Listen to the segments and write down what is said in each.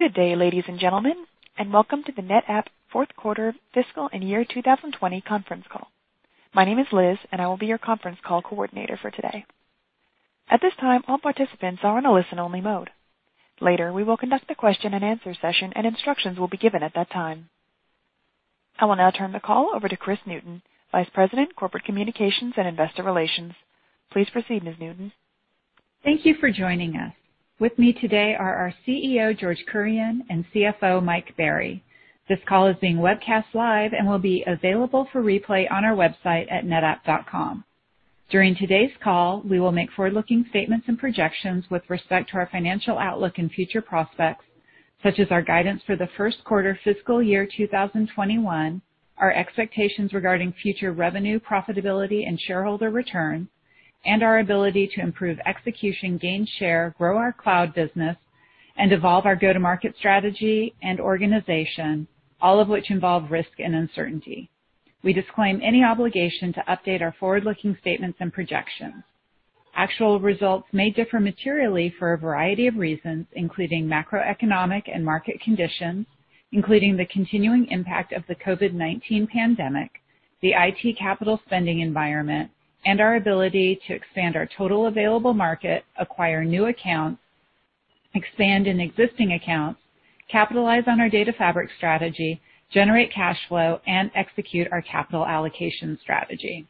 Good day, ladies and gentlemen, and welcome to the NetApp Fourth Quarter Fiscal and Year 2020 Conference Call. My name is Liz, and I will be your conference call coordinator for today. At this time, all participants are in a listen-only mode. Later, we will conduct the question-and-answer session, and instructions will be given at that time. I will now turn the call over to Chris Newton, Vice President, Corporate Communications and Investor Relations. Please proceed, Ms. Newton. Thank you for joining us. With me today are our CEO, George Kurian, and CFO, Mike Berry. This call is being webcast live and will be available for replay on our website at netapp.com. During today's call, we will make forward-looking statements and projections with respect to our financial outlook and future prospects, such as our guidance for the first quarter fiscal year 2021, our expectations regarding future revenue, profitability, and shareholder returns, and our ability to improve execution, gain share, grow our cloud business, and evolve our go-to-market strategy and organization, all of which involve risk and uncertainty. We disclaim any obligation to update our forward-looking statements and projections. Actual results may differ materially for a variety of reasons, including macroeconomic and market conditions, including the continuing impact of the COVID-19 pandemic, the IT capital spending environment, and our ability to expand our total available market, acquire new accounts, expand existing accounts, capitalize on our data fabric strategy, generate cash flow, and execute our capital allocation strategy.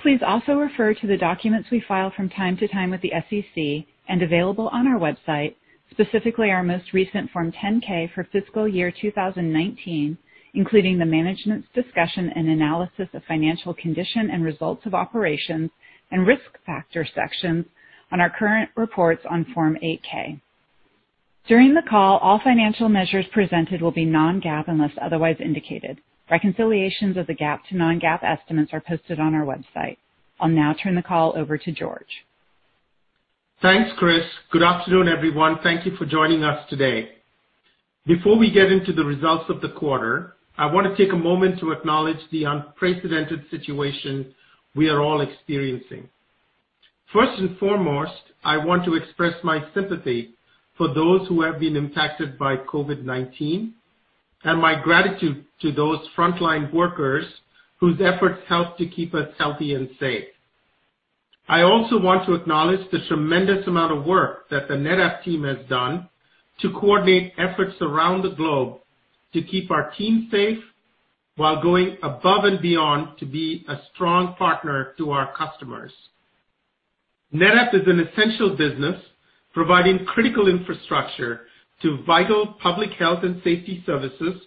Please also refer to the documents we file from time to time with the U.S. Securities and Exchange Commission and available on our website, specifically our most recent Form 10-K for fiscal year 2019, including the management's discussion and analysis of financial condition and results of operations and risk factor sections on our current reports on Form 8-K. During the call, all financial measures presented will be non-GAAP unless otherwise indicated. Reconciliations of the GAAP to non-GAAP estimates are posted on our website. I'll now turn the call over to George. Thanks, Chris. Good afternoon, everyone. Thank you for joining us today. Before we get into the results of the quarter, I want to take a moment to acknowledge the unprecedented situation we are all experiencing. First and foremost, I want to express my sympathy for those who have been impacted by COVID-19 and my gratitude to those frontline workers whose efforts helped to keep us healthy and safe. I also want to acknowledge the tremendous amount of work that the NetApp team has done to coordinate efforts around the globe to keep our team safe while going above and beyond to be a strong partner to our customers. NetApp is an essential business providing critical infrastructure to vital public health and safety services,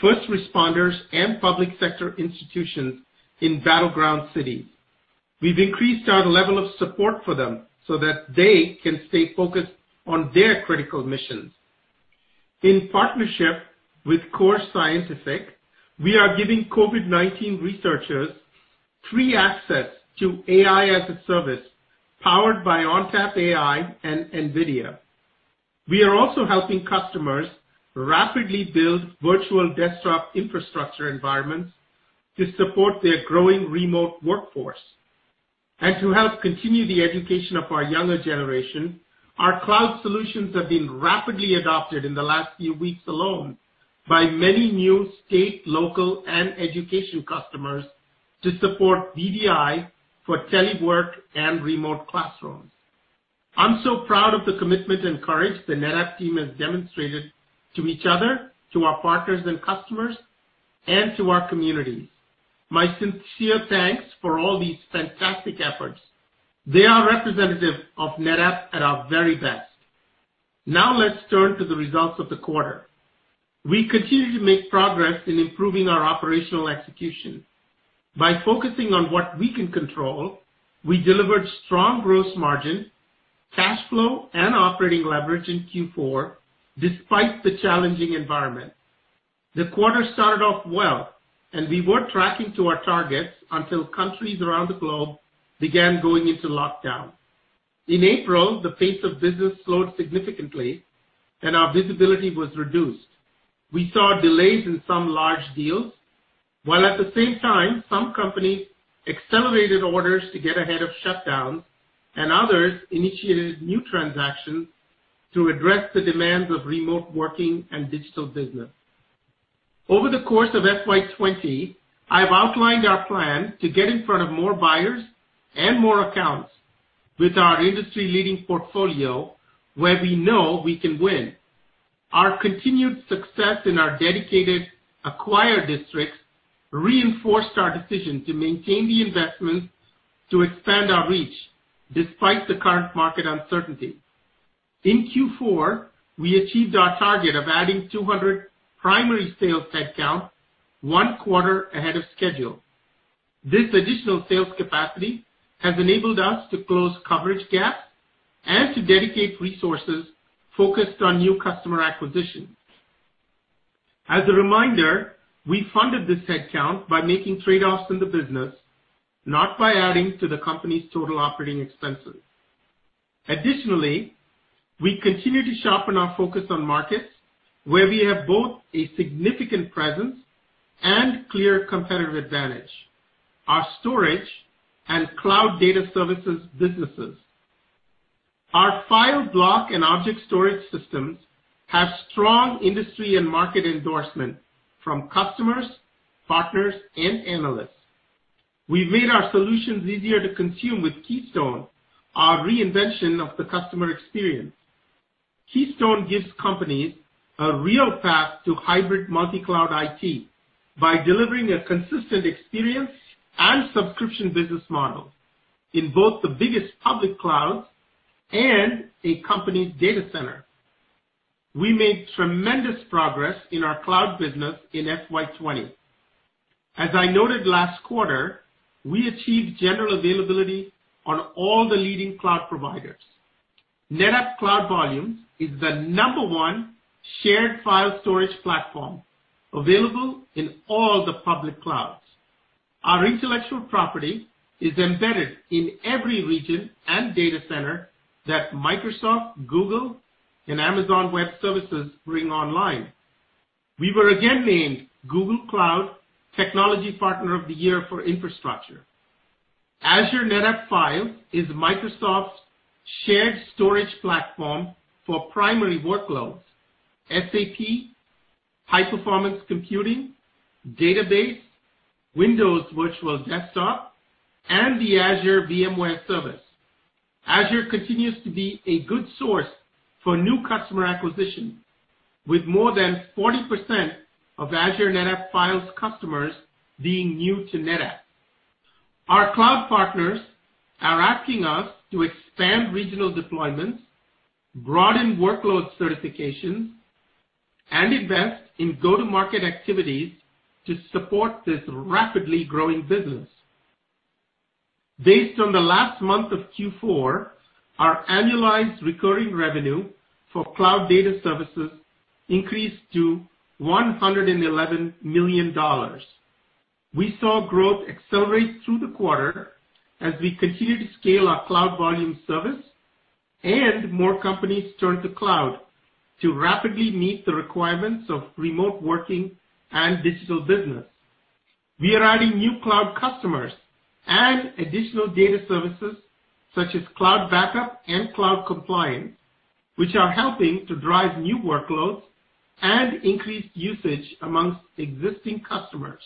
first responders, and public sector institutions in battleground cities. We've increased our level of support for them so that they can stay focused on their critical missions. In partnership with Core Scientific, we are giving COVID-19 researchers free access to AI as a service powered by ONTAP AI and NVIDIA. We are also helping customers rapidly build virtual desktop infrastructure environments to support their growing remote workforce. To help continue the education of our younger generation, our cloud solutions have been rapidly adopted in the last few weeks alone by many new state, local, and education customers to support VDI for telework and remote classrooms. I'm so proud of the commitment and courage the NetApp team has demonstrated to each other, to our partners and customers, and to our communities. My sincere thanks for all these fantastic efforts. They are representative of NetApp at our very best. Now let's turn to the results of the quarter. We continue to make progress in improving our operational execution. By focusing on what we can control, we delivered strong gross margin, cash flow, and operating leverage in Q4 despite the challenging environment. The quarter started off well, and we were tracking to our targets until countries around the globe began going into lockdown. In April, the pace of business slowed significantly, and our visibility was reduced. We saw delays in some large deals, while at the same time, some companies accelerated orders to get ahead of shutdowns, and others initiated new transactions to address the demands of remote working and digital business. Over the course of FY2020, I've outlined our plan to get in front of more buyers and more accounts with our industry-leading portfolio where we know we can win. Our continued success in our dedicated acquired districts reinforced our decision to maintain the investments to expand our reach despite the current market uncertainty. In Q4, we achieved our target of adding 200 primary sales headcount one quarter ahead of schedule. This additional sales capacity has enabled us to close coverage gaps and to dedicate resources focused on new customer acquisitions. As a reminder, we funded this headcount by making trade-offs in the business, not by adding to the company's total operating expenses. Additionally, we continue to sharpen our focus on markets where we have both a significant presence and clear competitive advantage: our storage and cloud data services businesses. Our file, block, and object storage systems have strong industry and market endorsement from customers, partners, and analysts. We've made our solutions easier to consume with Keystone, our reinvention of the customer experience. Keystone gives companies a real path to hybrid multi-cloud IT by delivering a consistent experience and subscription business model in both the biggest public clouds and a company's data center. We made tremendous progress in our cloud business in FY20. As I noted last quarter, we achieved general availability on all the leading cloud providers. NetApp Cloud Volumes is the number one shared file storage platform available in all the public clouds. Our intellectual property is embedded in every region and data center that Microsoft, Google, and Amazon Web Services bring online. We were again named Google Cloud Technology Partner of the Year for Infrastructure. Azure NetApp Files is Microsoft's shared storage platform for primary workloads: SAP, high-performance computing, database, Windows Virtual Desktop, and the Azure VMware Solution. Azure continues to be a good source for new customer acquisition, with more than 40% of Azure NetApp Files customers being new to NetApp. Our cloud partners are asking us to expand regional deployments, broaden workload certifications, and invest in go-to-market activities to support this rapidly growing business. Based on the last month of Q4, our annualized recurring revenue for cloud data services increased to $111 million. We saw growth accelerate through the quarter as we continued to scale our cloud volumes service, and more companies turned to cloud to rapidly meet the requirements of remote working and digital business. We are adding new cloud customers and additional data services such as cloud backup and cloud compliance, which are helping to drive new workloads and increase usage amongst existing customers.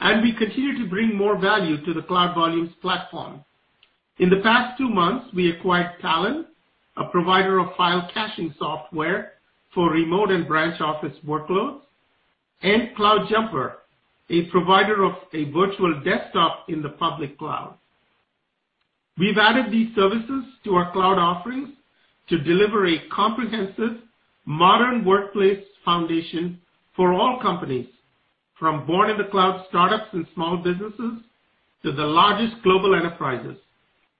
We continue to bring more value to the cloud volumes platform. In the past two months, we acquired Talon, a provider of file caching software for remote and branch office workloads, and CloudJumper, a provider of a virtual desktop in the public cloud. We've added these services to our cloud offerings to deliver a comprehensive modern workplace foundation for all companies, from born-in-the-cloud startups and small businesses to the largest global enterprises.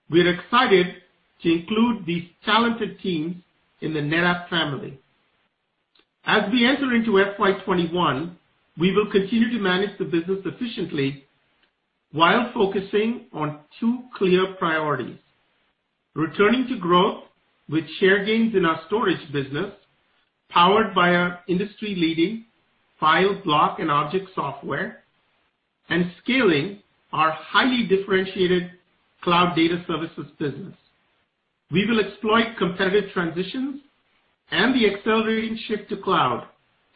We're excited to include these talented teams in the NetApp family. As we enter into FY2021, we will continue to manage the business efficiently while focusing on two clear priorities: returning to growth with share gains in our storage business powered by our industry-leading file, block, and object software and scaling our highly differentiated cloud data services business. We will exploit competitive transitions and the accelerating shift to cloud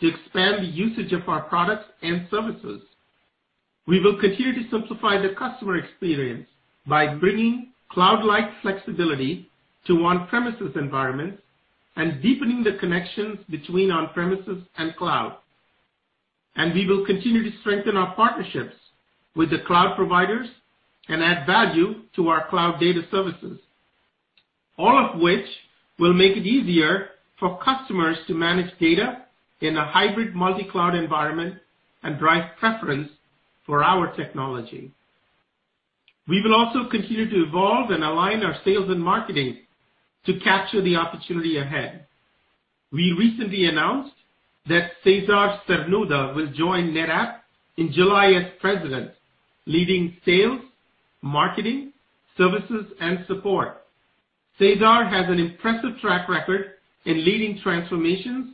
to expand the usage of our products and services. We will continue to simplify the customer experience by bringing cloud-like flexibility to on-premises environments and deepening the connections between on-premises and cloud. We will continue to strengthen our partnerships with the cloud providers and add value to our cloud data services, all of which will make it easier for customers to manage data in a hybrid multi-cloud environment and drive preference for our technology. We will also continue to evolve and align our sales and marketing to capture the opportunity ahead. We recently announced that Cesar Cernuda will join NetApp in July as President, leading sales, marketing, services, and support. Cesar has an impressive track record in leading transformations,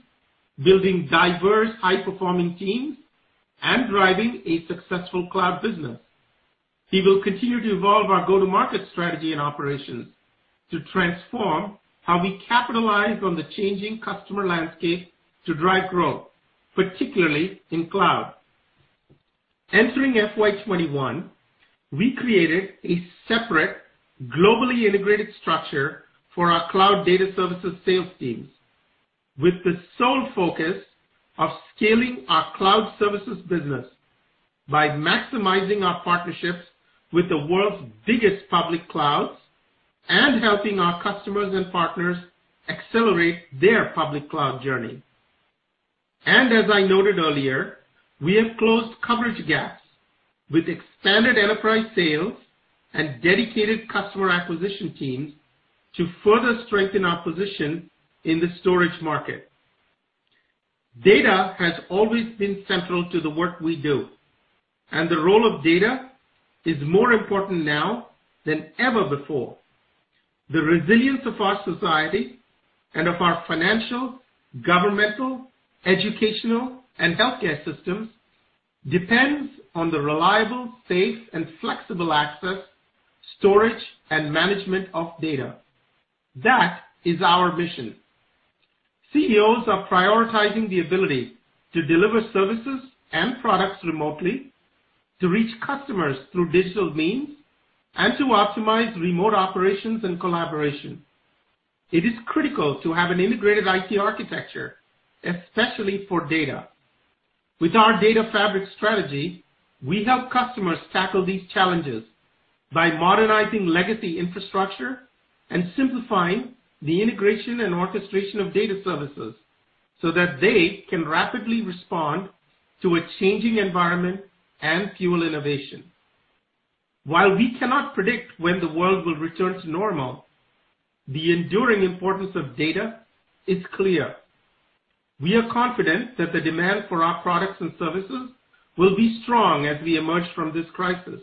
building diverse high-performing teams, and driving a successful cloud business. He will continue to evolve our go-to-market strategy and operations to transform how we capitalize on the changing customer landscape to drive growth, particularly in cloud. Entering FY2021, we created a separate globally integrated structure for our cloud data services sales teams with the sole focus of scaling our cloud services business by maximizing our partnerships with the world's biggest public clouds and helping our customers and partners accelerate their public cloud journey. As I noted earlier, we have closed coverage gaps with expanded enterprise sales and dedicated customer acquisition teams to further strengthen our position in the storage market. Data has always been central to the work we do, and the role of data is more important now than ever before. The resilience of our society and of our financial, governmental, educational, and healthcare systems depends on the reliable, safe, and flexible access, storage, and management of data. That is our mission. CEOs are prioritizing the ability to deliver services and products remotely, to reach customers through digital means, and to optimize remote operations and collaboration. It is critical to have an integrated IT architecture, especially for data. With our data fabric strategy, we help customers tackle these challenges by modernizing legacy infrastructure and simplifying the integration and orchestration of data services so that they can rapidly respond to a changing environment and fuel innovation. While we cannot predict when the world will return to normal, the enduring importance of data is clear. We are confident that the demand for our products and services will be strong as we emerge from this crisis.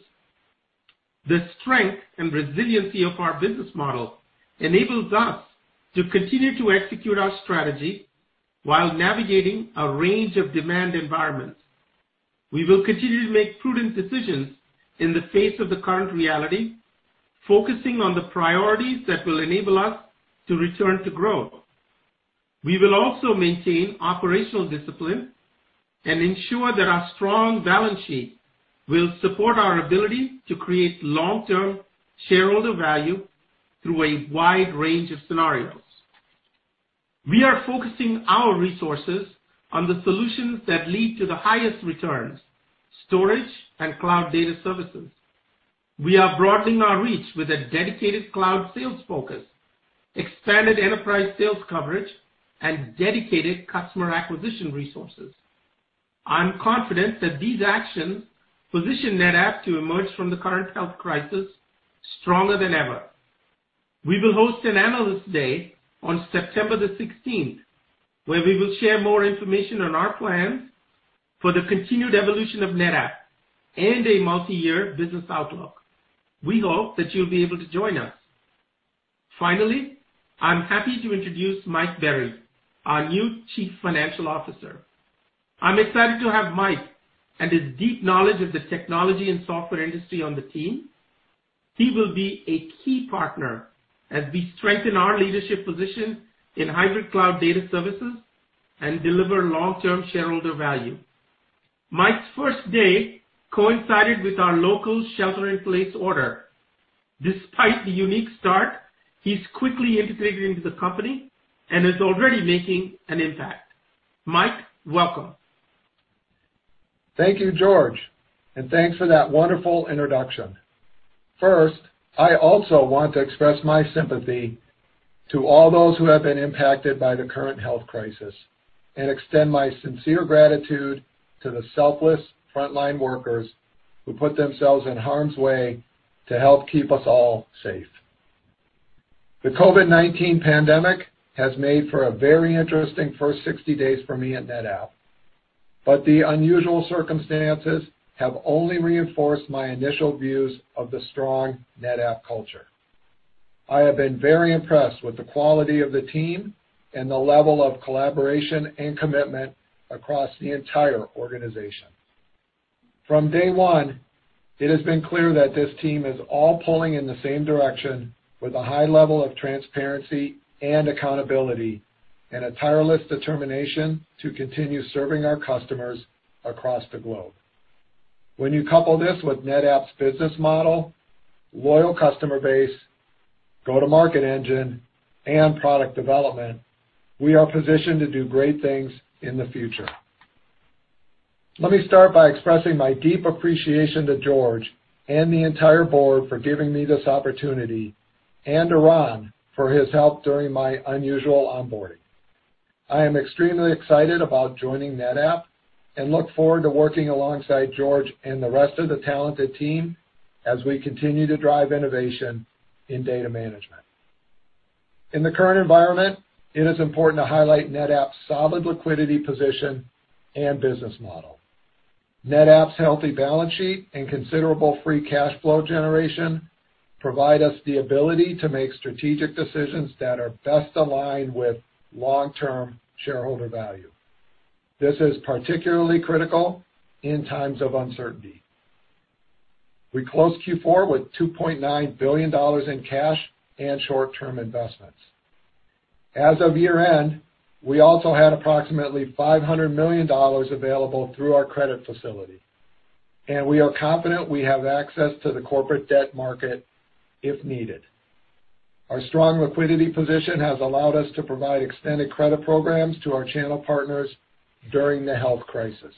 The strength and resiliency of our business model enables us to continue to execute our strategy while navigating a range of demand environments. We will continue to make prudent decisions in the face of the current reality, focusing on the priorities that will enable us to return to growth. We will also maintain operational discipline and ensure that our strong balance sheet will support our ability to create long-term shareholder value through a wide range of scenarios. We are focusing our resources on the solutions that lead to the highest returns: storage and cloud data services. We are broadening our reach with a dedicated cloud sales focus, expanded enterprise sales coverage, and dedicated customer acquisition resources. I'm confident that these actions position NetApp to emerge from the current health crisis stronger than ever. We will host an analyst day on September the 16th, where we will share more information on our plans for the continued evolution of NetApp and a multi-year business outlook. We hope that you'll be able to join us. Finally, I'm happy to introduce Mike Berry, our new Chief Financial Officer. I'm excited to have Mike and his deep knowledge of the technology and software industry on the team. He will be a key partner as we strengthen our leadership position in hybrid cloud data services and deliver long-term shareholder value. Mike's first day coincided with our local shelter-in-place order. Despite the unique start, he's quickly integrated into the company and is already making an impact. Mike, welcome. Thank you, George, and thanks for that wonderful introduction. First, I also want to express my sympathy to all those who have been impacted by the current health crisis and extend my sincere gratitude to the selfless frontline workers who put themselves in harm's way to help keep us all safe. The COVID-19 pandemic has made for a very interesting first 60 days for me at NetApp, but the unusual circumstances have only reinforced my initial views of the strong NetApp culture. I have been very impressed with the quality of the team and the level of collaboration and commitment across the entire organization. From day one, it has been clear that this team is all pulling in the same direction with a high level of transparency and accountability and a tireless determination to continue serving our customers across the globe. When you couple this with NetApp's business model, loyal customer base, go-to-market engine, and product development, we are positioned to do great things in the future. Let me start by expressing my deep appreciation to George and the entire board for giving me this opportunity and to Ron for his help during my unusual onboarding. I am extremely excited about joining NetApp and look forward to working alongside George and the rest of the talented team as we continue to drive innovation in data management. In the current environment, it is important to highlight NetApp's solid liquidity position and business model. NetApp's healthy balance sheet and considerable free cash flow generation provide us the ability to make strategic decisions that are best aligned with long-term shareholder value. This is particularly critical in times of uncertainty. We closed Q4 with $2.9 billion in cash and short-term investments. As of year-end, we also had approximately $500 million available through our credit facility, and we are confident we have access to the corporate debt market if needed. Our strong liquidity position has allowed us to provide extended credit programs to our channel partners during the health crisis.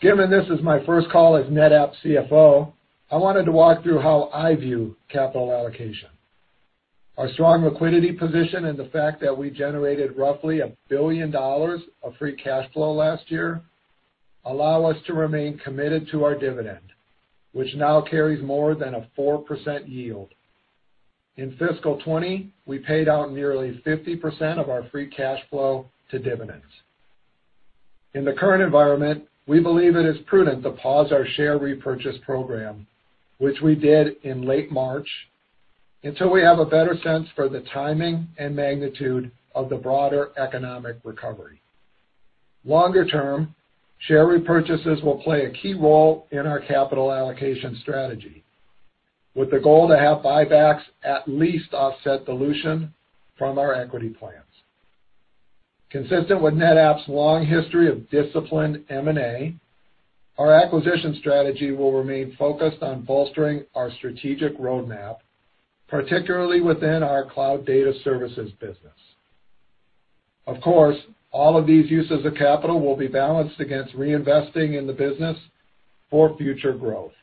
Given this is my first call as NetApp CFO, I wanted to walk through how I view capital allocation. Our strong liquidity position and the fact that we generated roughly $1 billion of free cash flow last year allow us to remain committed to our dividend, which now carries more than a 4% yield. In fiscal 2020, we paid out nearly 50% of our free cash flow to dividends. In the current environment, we believe it is prudent to pause our share repurchase program, which we did in late March, until we have a better sense for the timing and magnitude of the broader economic recovery. Longer-term, share repurchases will play a key role in our capital allocation strategy, with the goal to have buybacks at least offset dilution from our equity plans. Consistent with NetApp's long history of disciplined M&A, our acquisition strategy will remain focused on bolstering our strategic roadmap, particularly within our cloud data services business. Of course, all of these uses of capital will be balanced against reinvesting in the business for future growth.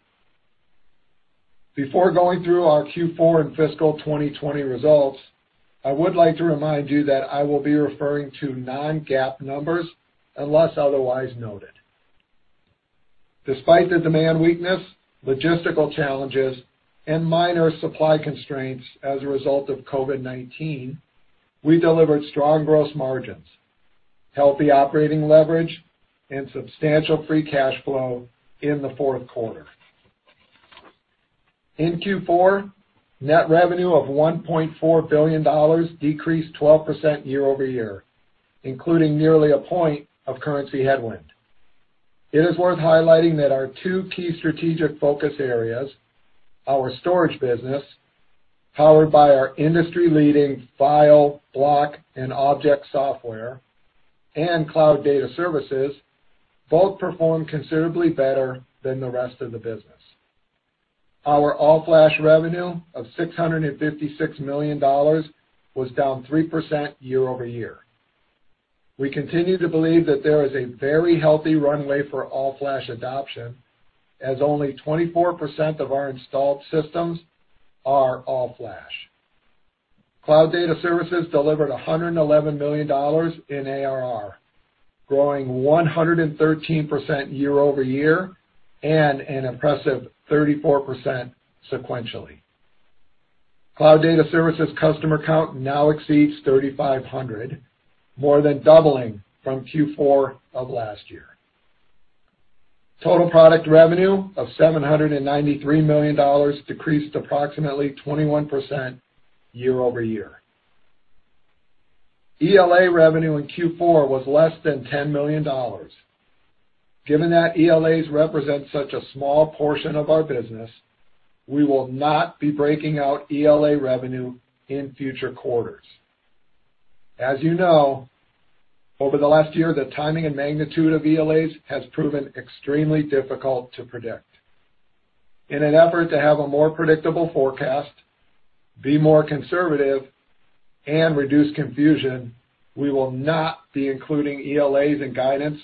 Before going through our Q4 and fiscal 2020 results, I would like to remind you that I will be referring to non-GAAP numbers unless otherwise noted. Despite the demand weakness, logistical challenges, and minor supply constraints as a result of COVID-19, we delivered strong gross margins, healthy operating leverage, and substantial free cash flow in the fourth quarter. In Q4, net revenue of $1.4 billion decreased 12% year-over-year, including nearly a point of currency headwind. It is worth highlighting that our two key strategic focus areas, our storage business, powered by our industry-leading file, block, and object software, and cloud data services, both performed considerably better than the rest of the business. Our all-flash revenue of $656 million was down 3% year-over-year. We continue to believe that there is a very healthy runway for all-flash adoption, as only 24% of our installed systems are all-flash. Cloud data services delivered $111 million in ARR, growing 113% year-over-year and an impressive 34% sequentially. Cloud data services customer count now exceeds 3,500, more than doubling from Q4 of last year. Total product revenue of $793 million decreased approximately 21% year-over-year. ELA revenue in Q4 was less than $10 million. Given that ELAs represent such a small portion of our business, we will not be breaking out ELA revenue in future quarters. As you know, over the last year, the timing and magnitude of ELAs has proven extremely difficult to predict. In an effort to have a more predictable forecast, be more conservative, and reduce confusion, we will not be including ELAs in guidance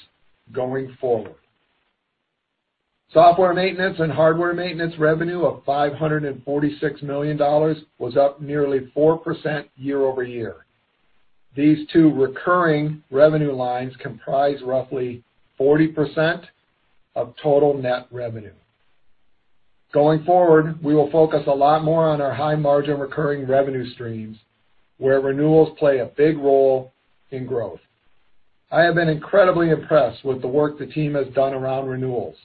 going forward. Software maintenance and hardware maintenance revenue of $546 million was up nearly 4% year-over-year. These two recurring revenue lines comprise roughly 40% of total net revenue. Going forward, we will focus a lot more on our high-margin recurring revenue streams, where renewals play a big role in growth. I have been incredibly impressed with the work the team has done around renewals,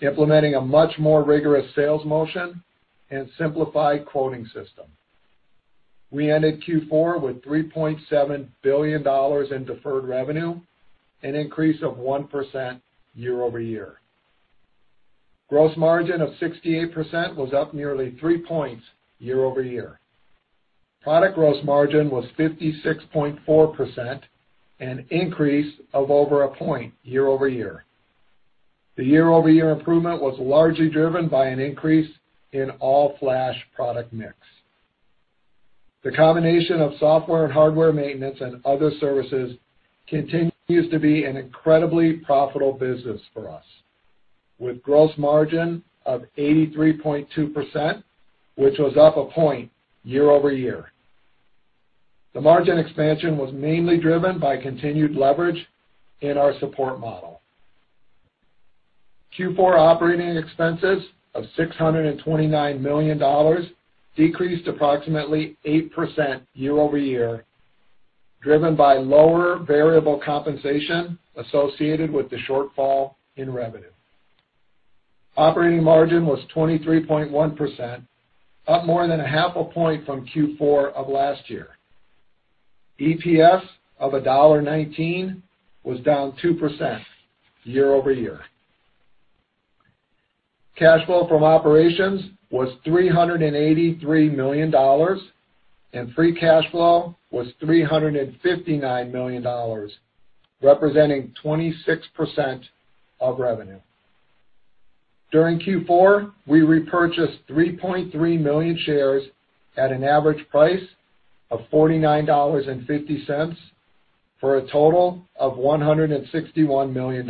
implementing a much more rigorous sales motion and simplified quoting system. We ended Q4 with $3.7 billion in deferred revenue, an increase of 1% year-over-year. Gross margin of 68% was up nearly 3 percentage points year-over-year. Product gross margin was 56.4%, an increase of over a point year-over-year. The year-over-year improvement was largely driven by an increase in all-flash product mix. The combination of software and hardware maintenance and other services continues to be an incredibly profitable business for us, with gross margin of 83.2%, which was up a point year-over-year. The margin expansion was mainly driven by continued leverage in our support model. Q4 operating expenses of $629 million decreased approximately 8% year-over-year, driven by lower variable compensation associated with the shortfall in revenue. Operating margin was 23.1%, up more than a half a point from Q4 of last year. EPS of $1.19 was down 2% year-over-year. Cash flow from operations was $383 million, and free cash flow was $359 million, representing 26% of revenue. During Q4, we repurchased 3.3 million shares at an average price of $49.50 for a total of $161 million.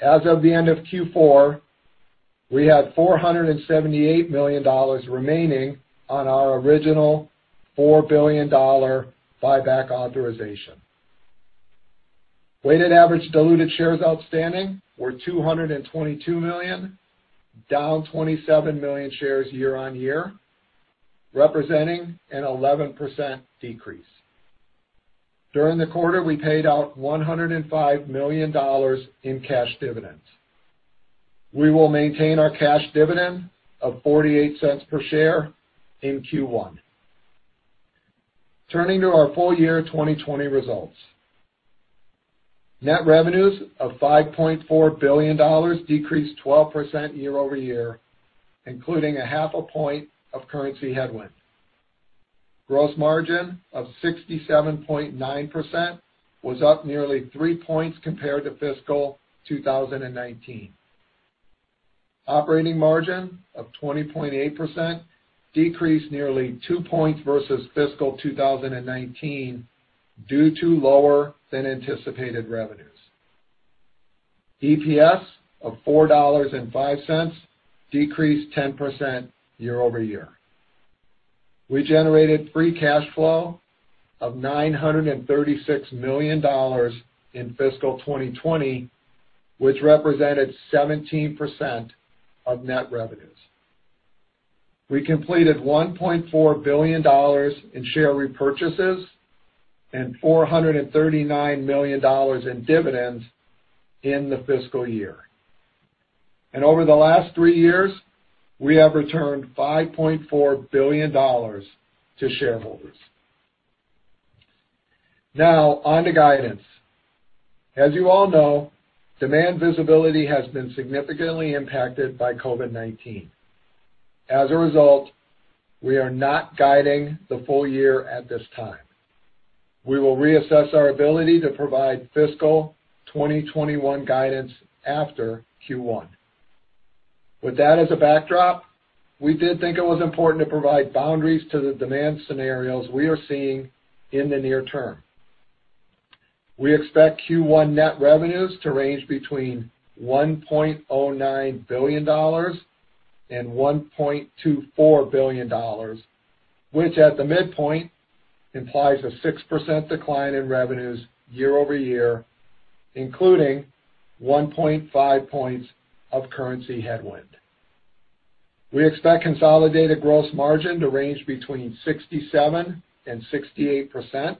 As of the end of Q4, we had $478 million remaining on our original $4 billion buyback authorization. Weighted average diluted shares outstanding were 222 million, down 27 million shares year-on-year, representing an 11% decrease. During the quarter, we paid out $105 million in cash dividends. We will maintain our cash dividend of $0.48 per share in Q1. Turning to our full year 2020 results, net revenues of $5.4 billion decreased 12% year-over-year, including a half a point of currency headwind. Gross margin of 67.9% was up nearly 3 percentage points compared to fiscal 2019. Operating margin of 20.8% decreased nearly 2 percentage points versus fiscal 2019 due to lower than anticipated revenues. EPS of $4.05 decreased 10% year-over-year. We generated free cash flow of $936 million in fiscal 2020, which represented 17% of net revenues. We completed $1.4 billion in share repurchases and $439 million in dividends in the fiscal year. Over the last three years, we have returned $5.4 billion to shareholders. Now, on to guidance. As you all know, demand visibility has been significantly impacted by COVID-19. As a result, we are not guiding the full year at this time. We will reassess our ability to provide fiscal 2021 guidance after Q1. With that as a backdrop, we did think it was important to provide boundaries to the demand scenarios we are seeing in the near term. We expect Q1 net revenues to range between $1.09 billion and $1.24 billion, which at the midpoint implies a 6% decline in revenues year-over-year, including 1.5 percentage points of currency headwind. We expect consolidated gross margin to range between 67% and 68%,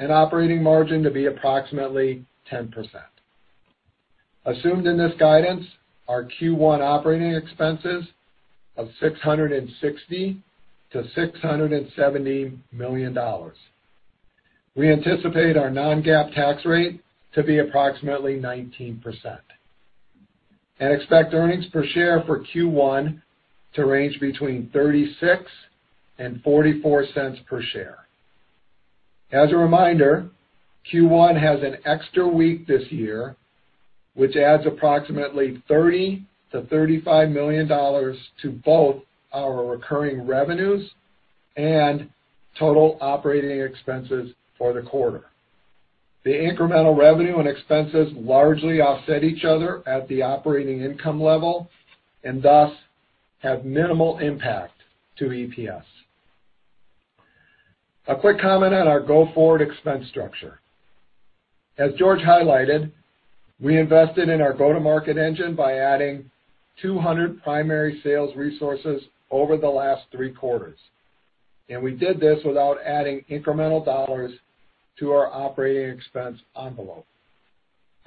and operating margin to be approximately 10%. Assumed in this guidance are Q1 operating expenses of $660 million-$670 million. We anticipate our non-GAAP tax rate to be approximately 19% and expect earnings per share for Q1 to range between $0.36 and $0.44 per share. As a reminder, Q1 has an extra week this year, which adds approximately $30 million-$35 million to both our recurring revenues and total operating expenses for the quarter. The incremental revenue and expenses largely offset each other at the operating income level and thus have minimal impact to EPS. A quick comment on our go-forward expense structure. As George highlighted, we invested in our go-to-market engine by adding 200 primary sales resources over the last three quarters, and we did this without adding incremental dollars to our operating expense envelope.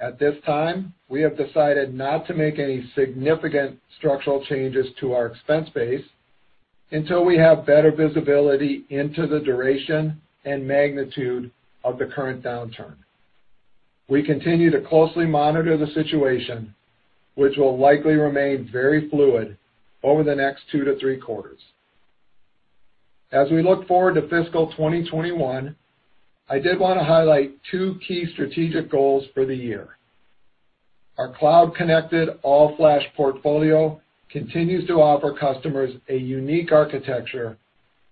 At this time, we have decided not to make any significant structural changes to our expense base until we have better visibility into the duration and magnitude of the current downturn. We continue to closely monitor the situation, which will likely remain very fluid over the next two to three quarters. As we look forward to fiscal 2021, I did want to highlight two key strategic goals for the year. Our cloud-connected all-flash portfolio continues to offer customers a unique architecture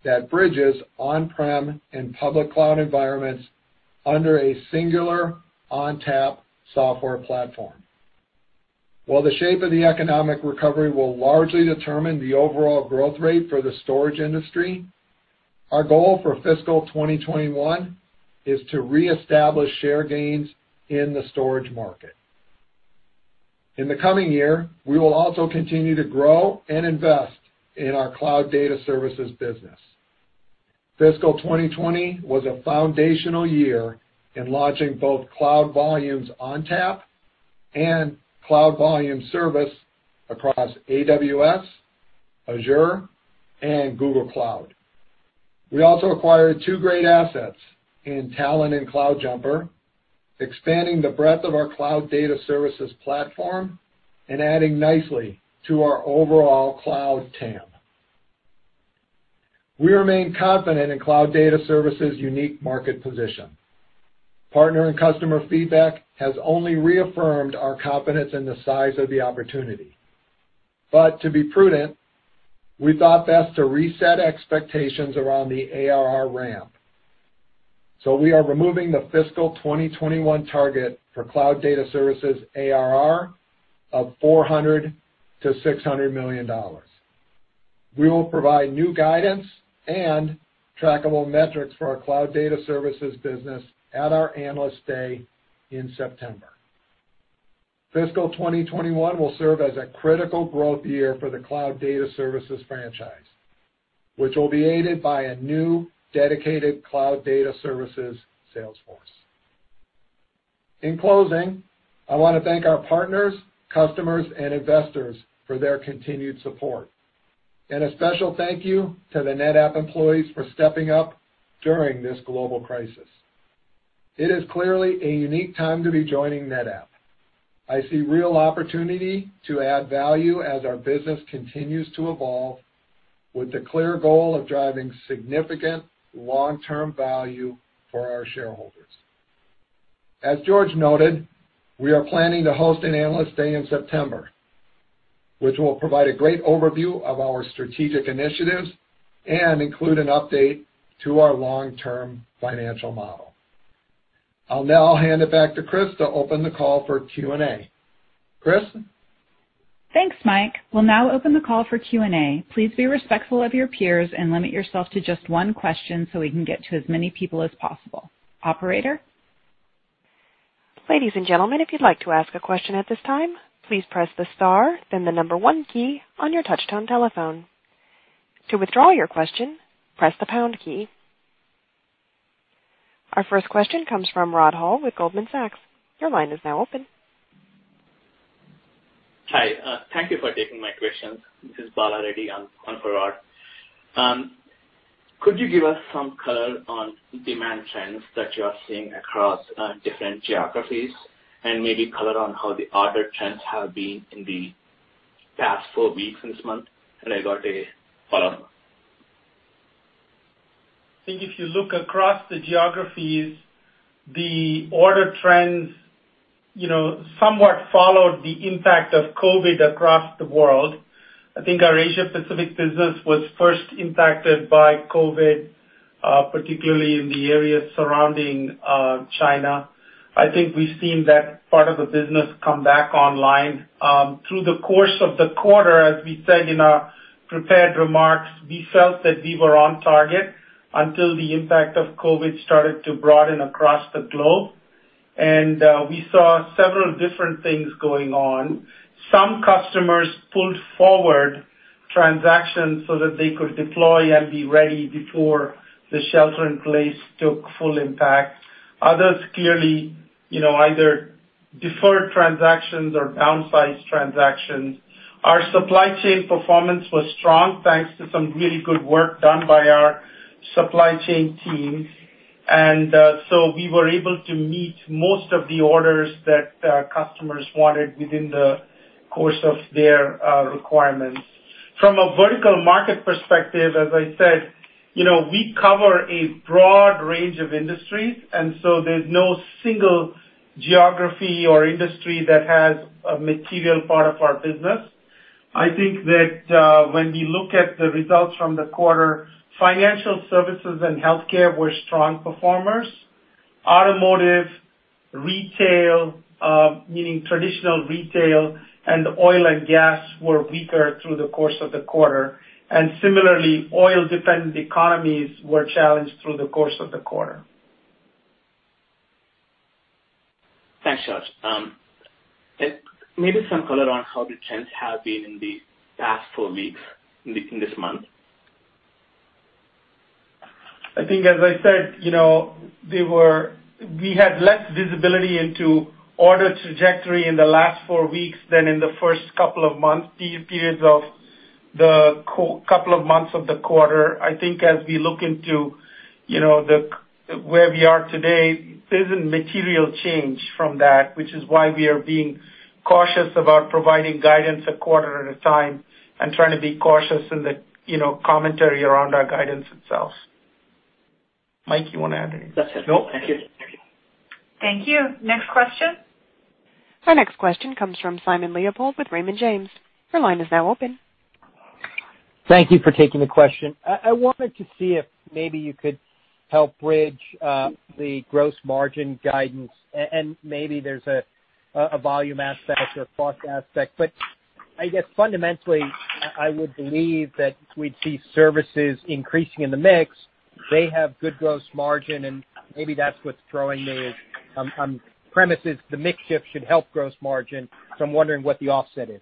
that bridges on-prem and public cloud environments under a singular ONTAP software platform. While the shape of the economic recovery will largely determine the overall growth rate for the storage industry, our goal for fiscal 2021 is to reestablish share gains in the storage market. In the coming year, we will also continue to grow and invest in our cloud data services business. Fiscal 2020 was a foundational year in launching both Cloud Volumes ONTAP and Cloud Volumes Service across AWS, Azure, and Google Cloud. We also acquired two great assets in Talon and CloudJumper, expanding the breadth of our cloud data services platform and adding nicely to our overall cloud TAM. We remain confident in cloud data services' unique market position. Partner and customer feedback has only reaffirmed our confidence in the size of the opportunity. To be prudent, we thought best to reset expectations around the ARR ramp. We are removing the fiscal 2021 target for cloud data services ARR of $400 million-$600 million. We will provide new guidance and trackable metrics for our cloud data services business at our analyst day in September. Fiscal 2021 will serve as a critical growth year for the cloud data services franchise, which will be aided by a new dedicated cloud data services sales force. In closing, I want to thank our partners, customers, and investors for their continued support. A special thank you to the NetApp employees for stepping up during this global crisis. It is clearly a unique time to be joining NetApp. I see real opportunity to add value as our business continues to evolve with the clear goal of driving significant long-term value for our shareholders. As George noted, we are planning to host an analyst day in September, which will provide a great overview of our strategic initiatives and include an update to our long-term financial model. I'll now hand it back to Chris to open the call for Q&A. Chris? Thanks, Mike. We'll now open the call for Q&A. Please be respectful of your peers and limit yourself to just one question so we can get to as many people as possible. Operator? Ladies and gentlemen, if you'd like to ask a question at this time, please press the star, then the number one key on your touch-tone telephone. To withdraw your question, press the pound key. Our first question comes from Rod Hall with Goldman Sachs. Your line is now open. Hi. Thank you for taking my questions. This is Bhala Reddy on for Rod. Could you give us some color on demand trends that you are seeing across different geographies and maybe color on how the order trends have been in the past four weeks and month? I got a follow-up. I think if you look across the geographies, the order trends somewhat followed the impact of COVID across the world. I think our Asia-Pacific business was first impacted by COVID, particularly in the area surrounding China. I think we've seen that part of the business come back online. Through the course of the quarter, as we said in our prepared remarks, we felt that we were on target until the impact of COVID started to broaden across the globe. We saw several different things going on. Some customers pulled forward transactions so that they could deploy and be ready before the shelter-in-place took full impact. Others clearly either deferred transactions or downsized transactions. Our supply chain performance was strong thanks to some really good work done by our supply chain team. We were able to meet most of the orders that customers wanted within the course of their requirements. From a vertical market perspective, as I said, we cover a broad range of industries, and there is no single geography or industry that has a material part of our business. I think that when we look at the results from the quarter, financial services and healthcare were strong performers. Automotive, retail, meaning traditional retail, and oil and gas were weaker through the course of the quarter. Similarly, oil-dependent economies were challenged through the course of the quarter. Thanks, George. Maybe some color on how the trends have been in the past four weeks in this month. I think, as I said, we had less visibility into order trajectory in the last four weeks than in the first couple of months, periods of the couple of months of the quarter. I think as we look into where we are today, there is not material change from that, which is why we are being cautious about providing guidance a quarter at a time and trying to be cautious in the commentary around our guidance itself. Mike, you want to add anything? That's it. Nope. Thank you. Thank you. Thank you. Next question. Our next question comes from Simon Leopold with Raymond James. Her line is now open. Thank you for taking the question. I wanted to see if maybe you could help bridge the gross margin guidance, and maybe there's a volume aspect or cost aspect. I guess fundamentally, I would believe that we'd see services increasing in the mix. They have good gross margin, and maybe that's what's throwing the premise is the mixture should help gross margin. I am wondering what the offset is.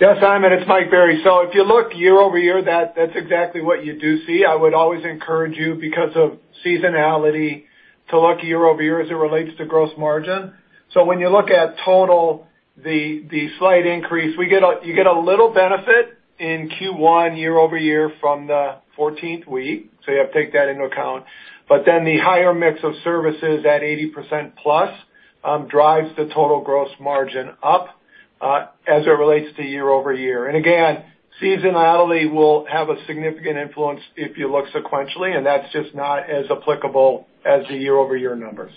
Yeah, Simon, it's Mike Berry. If you look year over year, that's exactly what you do see. I would always encourage you, because of seasonality, to look year over year as it relates to gross margin. When you look at total, the slight increase, you get a little benefit in Q1 year over year from the 14th week. You have to take that into account. The higher mix of services at 80% plus drives the total gross margin up as it relates to year over year. Again, seasonality will have a significant influence if you look sequentially, and that's just not as applicable as the year over year numbers.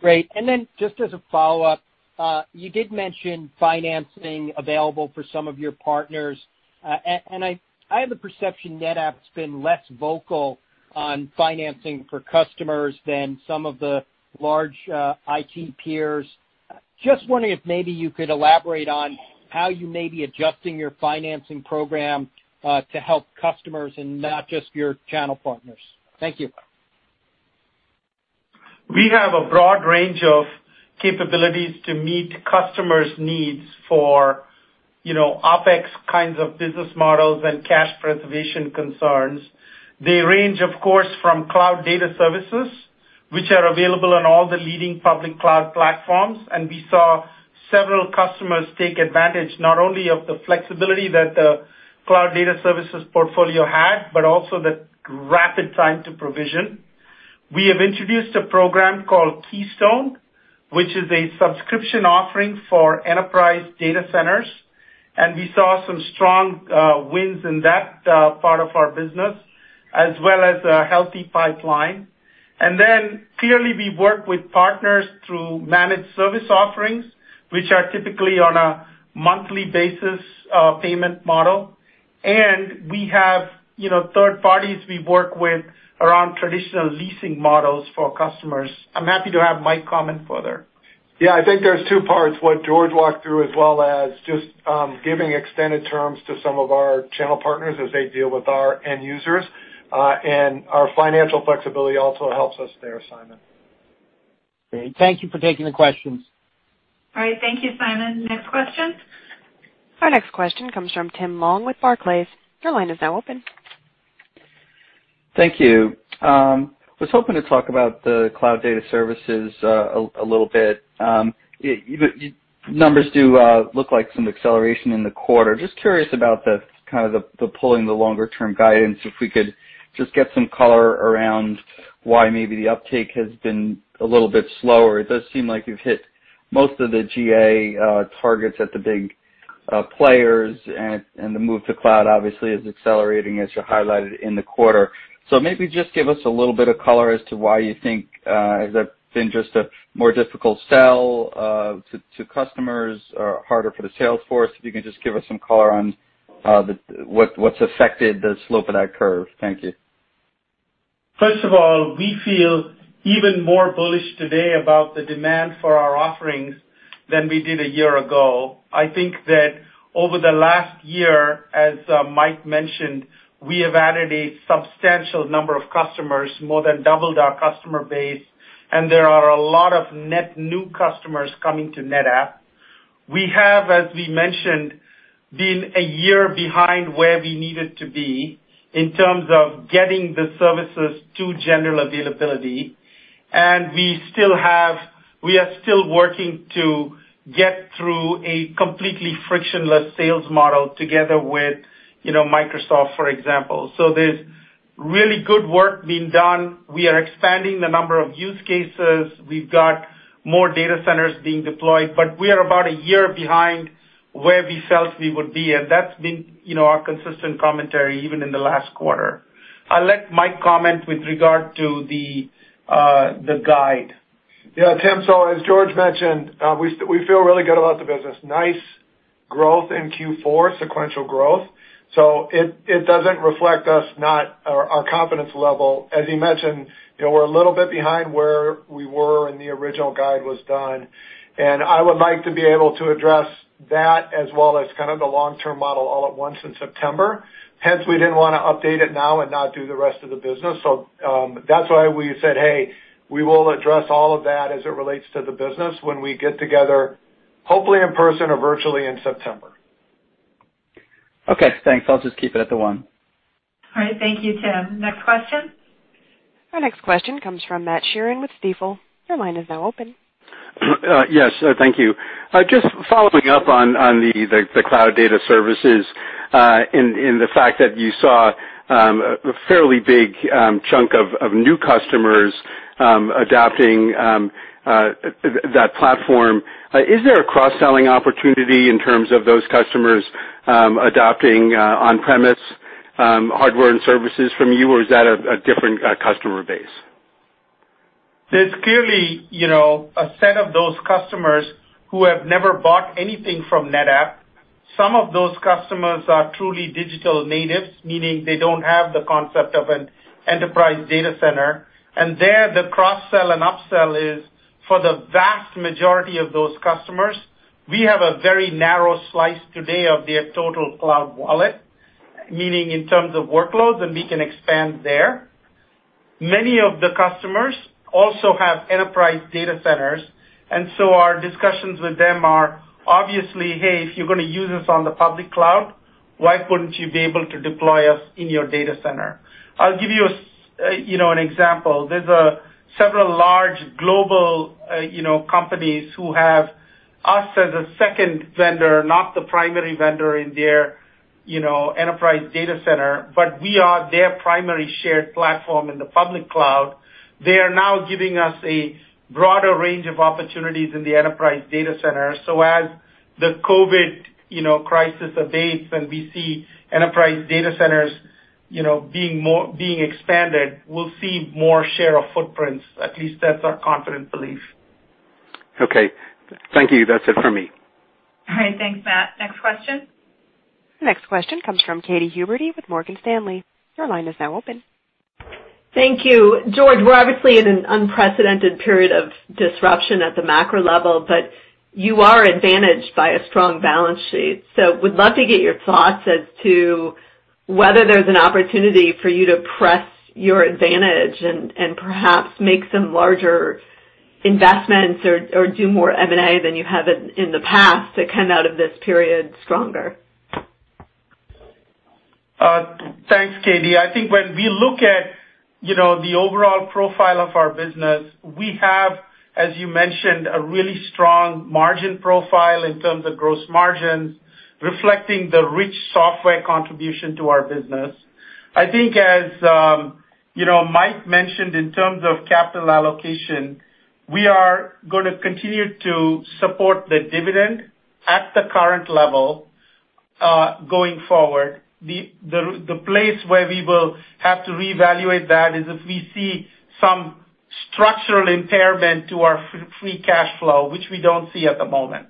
Great. Just as a follow-up, you did mention financing available for some of your partners. I have the perception NetApp's been less vocal on financing for customers than some of the large IT peers. Just wondering if maybe you could elaborate on how you may be adjusting your financing program to help customers and not just your channel partners. Thank you. We have a broad range of capabilities to meet customers' needs for OpEx kinds of business models and cash preservation concerns. They range, of course, from cloud data services, which are available on all the leading public cloud platforms. We saw several customers take advantage not only of the flexibility that the cloud data services portfolio had, but also the rapid time to provision. We have introduced a program called Keystone, which is a subscription offering for enterprise data centers. We saw some strong wins in that part of our business, as well as a healthy pipeline. Clearly, we work with partners through managed service offerings, which are typically on a monthly basis payment model. We have third parties we work with around traditional leasing models for customers. I'm happy to have Mike comment further. Yeah, I think there's two parts: what George walked through, as well as just giving extended terms to some of our channel partners as they deal with our end users. Our financial flexibility also helps us there, Simon. Great. Thank you for taking the questions. All right. Thank you, Simon. Next question. Our next question comes from Tim Long with Barclays. Your line is now open. Thank you. I was hoping to talk about the cloud data services a little bit. Numbers do look like some acceleration in the quarter. Just curious about kind of the pulling the longer-term guidance, if we could just get some color around why maybe the uptake has been a little bit slower. It does seem like you've hit most of the GA targets at the big players, and the move to cloud obviously is accelerating, as you highlighted in the quarter. Maybe just give us a little bit of color as to why you think it's been just a more difficult sell to customers or harder for the sales force. If you can just give us some color on what's affected the slope of that curve. Thank you. First of all, we feel even more bullish today about the demand for our offerings than we did a year ago. I think that over the last year, as Mike mentioned, we have added a substantial number of customers, more than doubled our customer base, and there are a lot of net new customers coming to NetApp. We have, as we mentioned, been a year behind where we needed to be in terms of getting the services to general availability. We are still working to get through a completely frictionless sales model together with Microsoft, for example. There is really good work being done. We are expanding the number of use cases. We have more data centers being deployed, but we are about a year behind where we felt we would be. That has been our consistent commentary even in the last quarter. I'll let Mike comment with regard to the guide. Yeah, Tim. As George mentioned, we feel really good about the business. Nice growth in Q4, sequential growth. It does not reflect our confidence level. As he mentioned, we are a little bit behind where we were when the original guide was done. I would like to be able to address that as well as kind of the long-term model all at once in September. Hence, we did not want to update it now and not do the rest of the business. That's why we said, "Hey, we will address all of that as it relates to the business when we get together, hopefully in person or virtually in September." Okay. Thanks. I'll just keep it at the one. All right. Thank you, Tim. Next question. Our next question comes from Matt Sheerin with Stifel. Your line is now open. Yes. Thank you. Just following up on the cloud data services and the fact that you saw a fairly big chunk of new customers adopting that platform, is there a cross-selling opportunity in terms of those customers adopting on-premise hardware and services from you, or is that a different customer base? There's clearly a set of those customers who have never bought anything from NetApp. Some of those customers are truly digital natives, meaning they don't have the concept of an enterprise data center. The cross-sell and upsell is for the vast majority of those customers. We have a very narrow slice today of their total cloud wallet, meaning in terms of workloads, and we can expand there. Many of the customers also have enterprise data centers. Our discussions with them are obviously, "Hey, if you're going to use us on the public cloud, why wouldn't you be able to deploy us in your data center?" I'll give you an example. There are several large global companies who have us as a second vendor, not the primary vendor in their enterprise data center, but we are their primary shared platform in the public cloud. They are now giving us a broader range of opportunities in the enterprise data center. As the COVID crisis abates and we see enterprise data centers being expanded, we'll see more share of footprints. At least that's our confident belief. Okay. Thank you. That's it for me. All right. Thanks, Matt. Next question. Next question comes from Katy Huberty with Morgan Stanley. Your line is now open. Thank you. George, we're obviously in an unprecedented period of disruption at the macro level, but you are advantaged by a strong balance sheet. We'd love to get your thoughts as to whether there's an opportunity for you to press your advantage and perhaps make some larger investments or do more M&A than you have in the past to come out of this period stronger. Thanks, Katie. I think when we look at the overall profile of our business, we have, as you mentioned, a really strong margin profile in terms of gross margins reflecting the rich software contribution to our business. I think, as Mike mentioned, in terms of capital allocation, we are going to continue to support the dividend at the current level going forward. The place where we will have to reevaluate that is if we see some structural impairment to our free cash flow, which we do not see at the moment.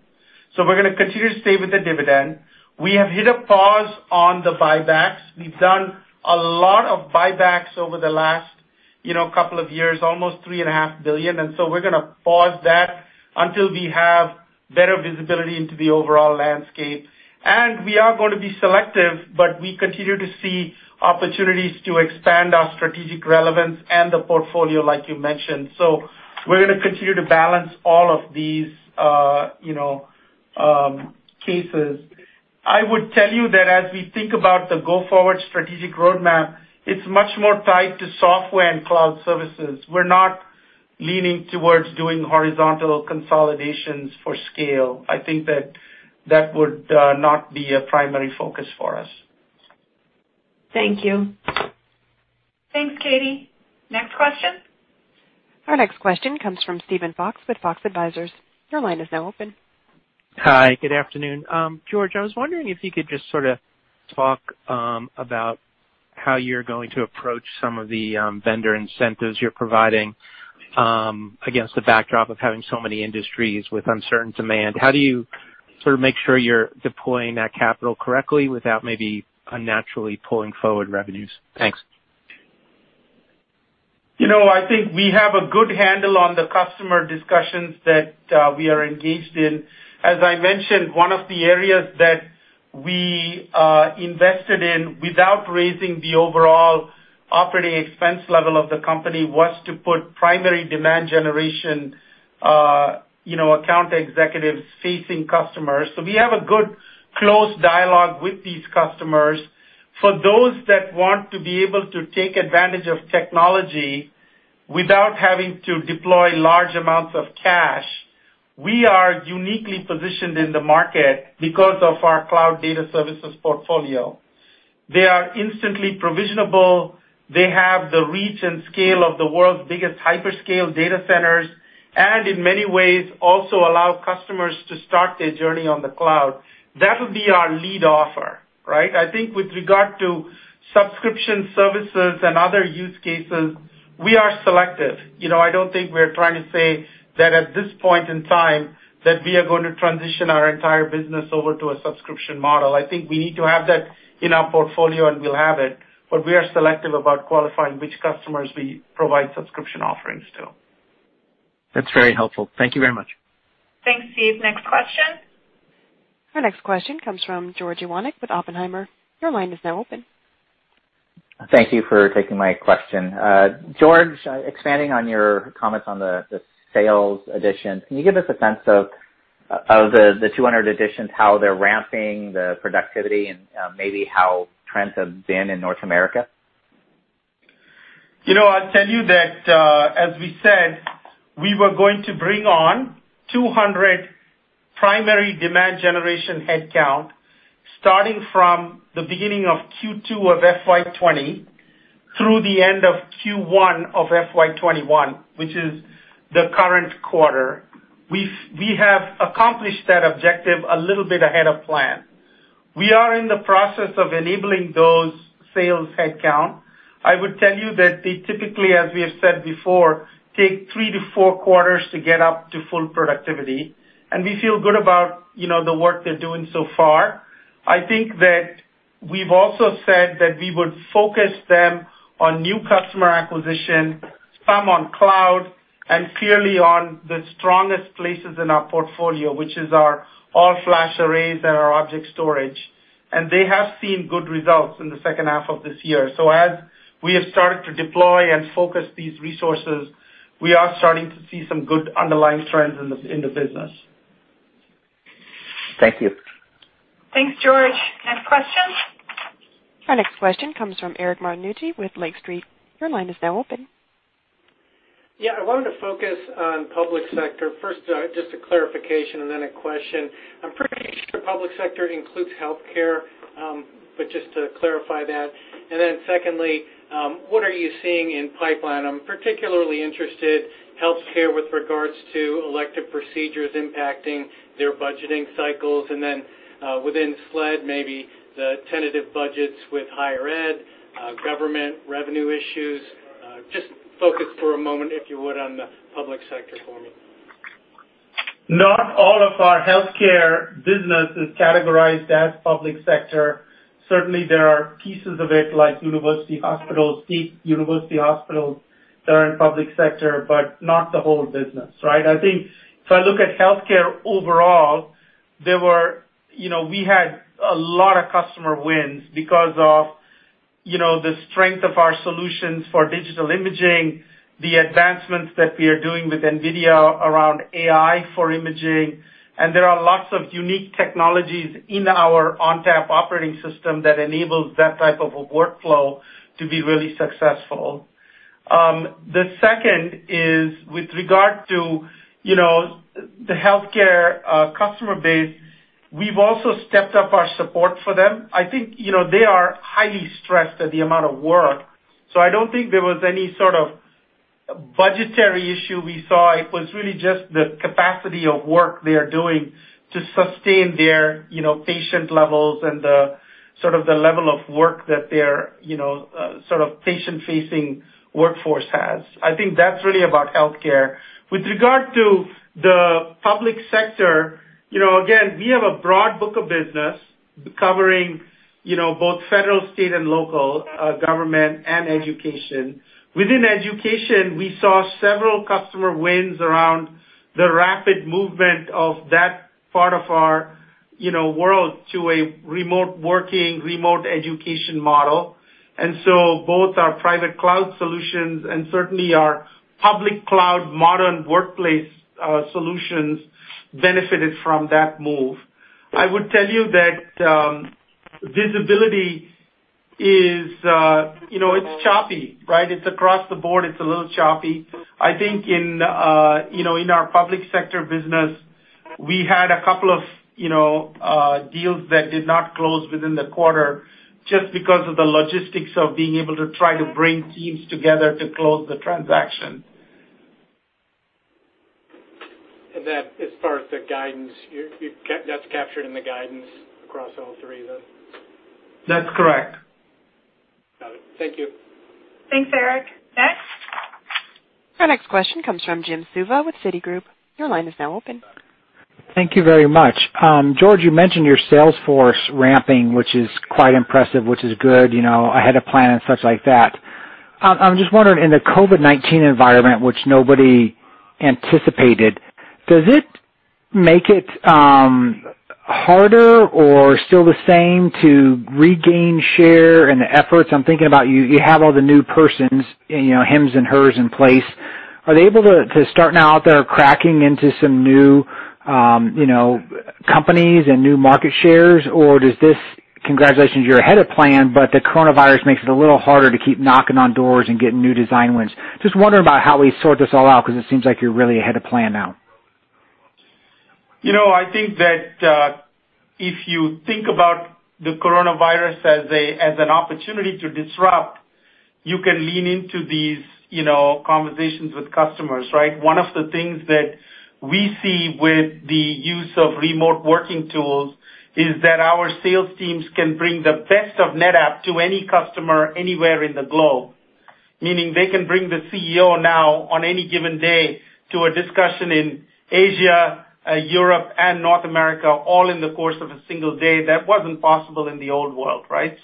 We are going to continue to stay with the dividend. We have hit a pause on the buybacks. We have done a lot of buybacks over the last couple of years, almost $3.5 billion. We are going to pause that until we have better visibility into the overall landscape. We are going to be selective, but we continue to see opportunities to expand our strategic relevance and the portfolio, like you mentioned. We are going to continue to balance all of these cases. I would tell you that as we think about the go-forward strategic roadmap, it's much more tied to software and cloud services. We're not leaning towards doing horizontal consolidations for scale. I think that that would not be a primary focus for us. Thank you. Thanks, Katie. Next question. Our next question comes from Stephen Fox with Fox Advisors. Your line is now open. Hi. Good afternoon. George, I was wondering if you could just sort of talk about how you're going to approach some of the vendor incentives you're providing against the backdrop of having so many industries with uncertain demand. How do you sort of make sure you're deploying that capital correctly without maybe unnaturally pulling forward revenues ?Thanks. I think we have a good handle on the customer discussions that we are engaged in. As I mentioned, one of the areas that we invested in without raising the overall operating expense level of the company was to put primary demand generation account executives facing customers. We have a good close dialogue with these customers. For those that want to be able to take advantage of technology without having to deploy large amounts of cash, we are uniquely positioned in the market because of our cloud data services portfolio. They are instantly provisionable. They have the reach and scale of the world's biggest hyperscale data centers and, in many ways, also allow customers to start their journey on the cloud. That would be our lead offer, right? I think with regard to subscription services and other use cases, we are selective. I don't think we're trying to say that at this point in time that we are going to transition our entire business over to a subscription model. I think we need to have that in our portfolio, and we'll have it. But we are selective about qualifying which customers we provide subscription offerings to. That's very helpful. Thank you very much. Thanks, Steve. Next question. Our next question comes from George Iwanyc with Oppenheimer. Your line is now open. Thank you for taking my question. George, expanding on your comments on the sales additions, can you give us a sense of the 200 additions, how they're ramping, the productivity, and maybe how trends have been in North America? I'll tell you that, as we said, we were going to bring on 200 primary demand generation headcount starting from the beginning of Q2 of FY20 through the end of Q1 of FY21, which is the current quarter. We have accomplished that objective a little bit ahead of plan. We are in the process of enabling those sales headcount. I would tell you that they typically, as we have said before, take three to four quarters to get up to full productivity. We feel good about the work they're doing so far. I think that we've also said that we would focus them on new customer acquisition, some on cloud, and clearly on the strongest places in our portfolio, which is our all-flash arrays and our object storage. They have seen good results in the second half of this year. As we have started to deploy and focus these resources, we are starting to see some good underlying trends in the business. Thank you. Thanks, George. Next question. Our next question comes from Eric Martinuzzi with Lake Street. Your line is now open. Yeah. I wanted to focus on public sector. First, just a clarification and then a question. I'm pretty sure public sector includes healthcare, but just to clarify that. Secondly, what are you seeing in pipeline? I'm particularly interested in healthcare with regards to elective procedures impacting their budgeting cycles. Within SLED, maybe the tentative budgets with higher ed, government revenue issues. Just focus for a moment, if you would, on the public sector for me. Not all of our healthcare business is categorized as public sector. Certainly, there are pieces of it like university hospitals, state university hospitals that are in public sector, but not the whole business, right? I think if I look at healthcare overall, we had a lot of customer wins because of the strength of our solutions for digital imaging, the advancements that we are doing with NVIDIA around AI for imaging. There are lots of unique technologies in our ONTAP operating system that enables that type of a workflow to be really successful. The second is with regard to the healthcare customer base, we've also stepped up our support for them. I think they are highly stressed at the amount of work. I don't think there was any sort of budgetary issue we saw. It was really just the capacity of work they are doing to sustain their patient levels and the sort of the level of work that their sort of patient-facing workforce has. I think that's really about healthcare. With regard to the public sector, again, we have a broad book of business covering both federal, state, and local government and education. Within education, we saw several customer wins around the rapid movement of that part of our world to a remote working, remote education model. Both our private cloud solutions and certainly our public cloud modern workplace solutions benefited from that move. I would tell you that visibility is, it's choppy, right? It's across the board. It's a little choppy. I think in our public sector business, we had a couple of deals that did not close within the quarter just because of the logistics of being able to try to bring teams together to close the transaction. As far as the guidance, that's captured in the guidance across all three of them? That's correct. Got it. Thank you. Thanks, Eric. Next. Our next question comes from Jim Suva with Citigroup. Your line is now open. Thank you very much. George, you mentioned your Salesforce ramping, which is quite impressive, which is good. I had a plan and such like that. I'm just wondering, in the COVID-19 environment, which nobody anticipated, does it make it harder or still the same to regain share and the efforts? I'm thinking about you have all the new persons, hims and hers in place. Are they able to start now out there cracking into some new companies and new market shares, or does this—congratulations, you're ahead of plan—but the coronavirus makes it a little harder to keep knocking on doors and getting new design wins? Just wondering about how we sort this all out because it seems like you're really ahead of plan now. I think that if you think about the coronavirus as an opportunity to disrupt, you can lean into these conversations with customers, right? One of the things that we see with the use of remote working tools is that our sales teams can bring the best of NetApp to any customer anywhere in the globe, meaning they can bring the CEO now on any given day to a discussion in Asia, Europe, and North America, all in the course of a single day. That was not possible in the old world, right?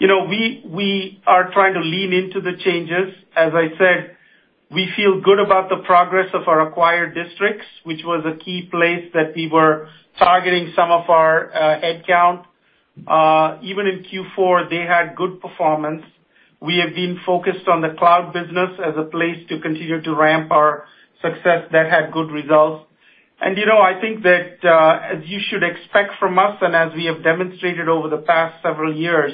We are trying to lean into the changes. As I said, we feel good about the progress of our acquired districts, which was a key place that we were targeting some of our headcount. Even in Q4, they had good performance. We have been focused on the cloud business as a place to continue to ramp our success that had good results. I think that, as you should expect from us and as we have demonstrated over the past several years,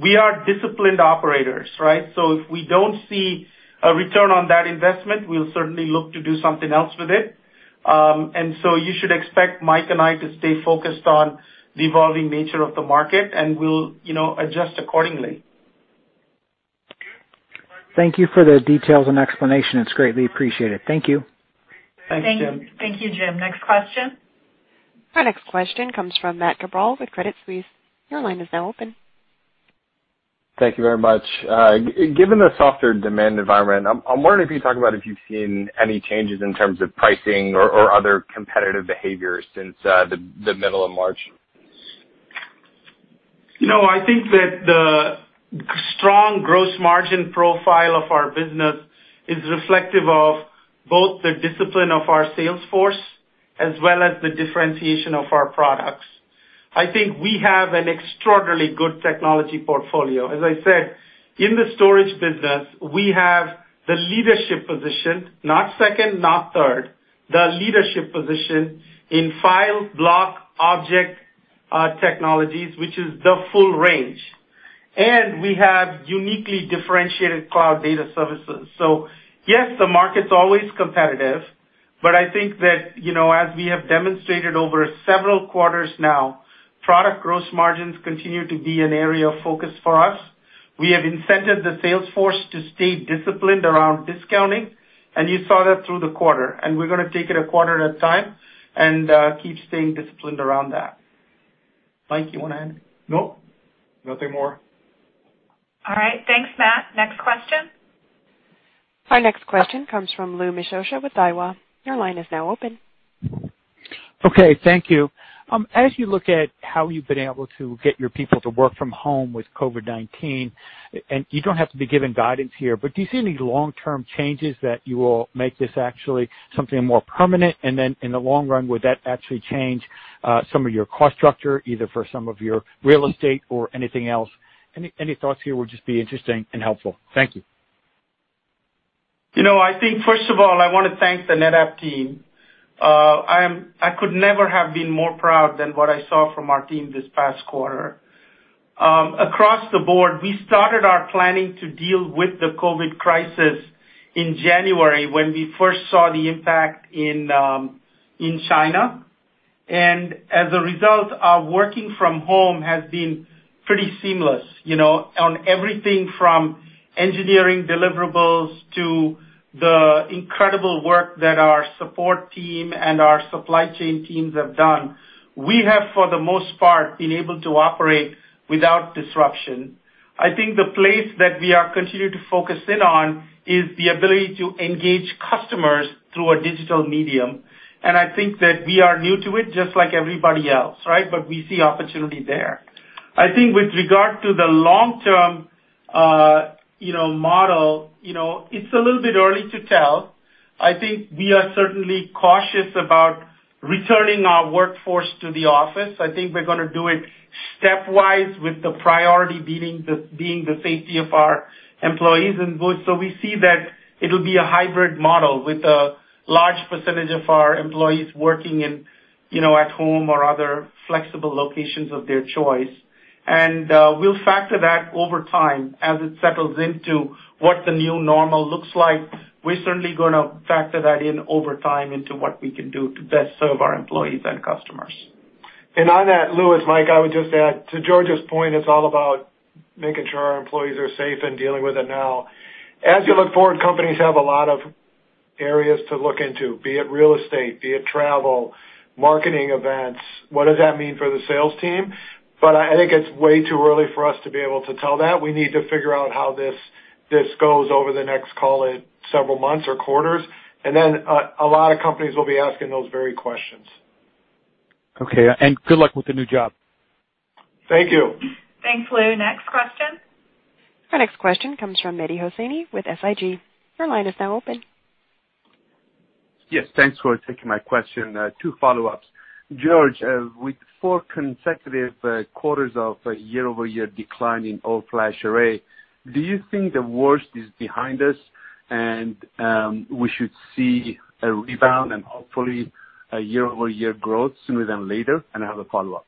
we are disciplined operators, right? If we do not see a return on that investment, we will certainly look to do something else with it. You should expect Mike and me to stay focused on the evolving nature of the market, and we will adjust accordingly. Thank you for the details and explanation. It is greatly appreciated. Thank you. Thank you, Jim. Next question. Our next question comes from Matt Cabral with Credit Suisse. Your line is now open. Thank you very much. Given the softer demand environment, I'm wondering if you talk about if you've seen any changes in terms of pricing or other competitive behavior since the middle of March. I think that the strong gross margin profile of our business is reflective of both the discipline of our Salesforce as well as the differentiation of our products. I think we have an extraordinarily good technology portfolio. As I said, in the storage business, we have the leadership position, not second, not third, the leadership position in file, block, object technologies, which is the full range. We have uniquely differentiated cloud data services. Yes, the market's always competitive, but I think that as we have demonstrated over several quarters now, product gross margins continue to be an area of focus for us. We have incented the Salesforce to stay disciplined around discounting, and you saw that through the quarter. We're going to take it a quarter at a time and keep staying disciplined around that. Mike, you want to add? Nope. Nothing more. All right. Thanks, Matt. Next question. Our next question comes from Lou Miscioscia with Daiwa. Your line is now open. Okay. Thank you. As you look at how you've been able to get your people to work from home with COVID-19, and you don't have to be giving guidance here, but do you see any long-term changes that you will make this actually something more permanent? In the long run, would that actually change some of your cost structure either for some of your real estate or anything else? Any thoughts here would just be interesting and helpful. Thank you. I think, first of all, I want to thank the NetApp team. I could never have been more proud than what I saw from our team this past quarter. Across the board, we started our planning to deal with the COVID crisis in January when we first saw the impact in China. As a result, our working from home has been pretty seamless on everything from engineering deliverables to the incredible work that our support team and our supply chain teams have done. We have, for the most part, been able to operate without disruption. I think the place that we are continuing to focus in on is the ability to engage customers through a digital medium. I think that we are new to it just like everybody else, right? We see opportunity there. I think with regard to the long-term model, it's a little bit early to tell. I think we are certainly cautious about returning our workforce to the office. I think we're going to do it stepwise with the priority being the safety of our employees. We see that it will be a hybrid model with a large percentage of our employees working at home or other flexible locations of their choice. We will factor that over time as it settles into what the new normal looks like. We're certainly going to factor that in over time into what we can do to best serve our employees and customers. On that, Lou, as Mike, I would just add to George's point, it's all about making sure our employees are safe and dealing with it now. As you look forward, companies have a lot of areas to look into, be it real estate, be it travel, marketing events. What does that mean for the sales team? I think it's way too early for us to be able to tell that. We need to figure out how this goes over the next, call it, several months or quarters. A lot of companies will be asking those very questions. Okay. Good luck with the new job. Thank you. Thanks, Lou. Next question. Our next question comes from Mehdi Hosseini with SIG. Your line is now open. Yes. Thanks for taking my question. Two follow-ups. George, with four consecutive quarters of year-over-year decline in all-flash array, do you think the worst is behind us and we should see a rebound and hopefully a year-over-year growth sooner than later? I have a follow-up.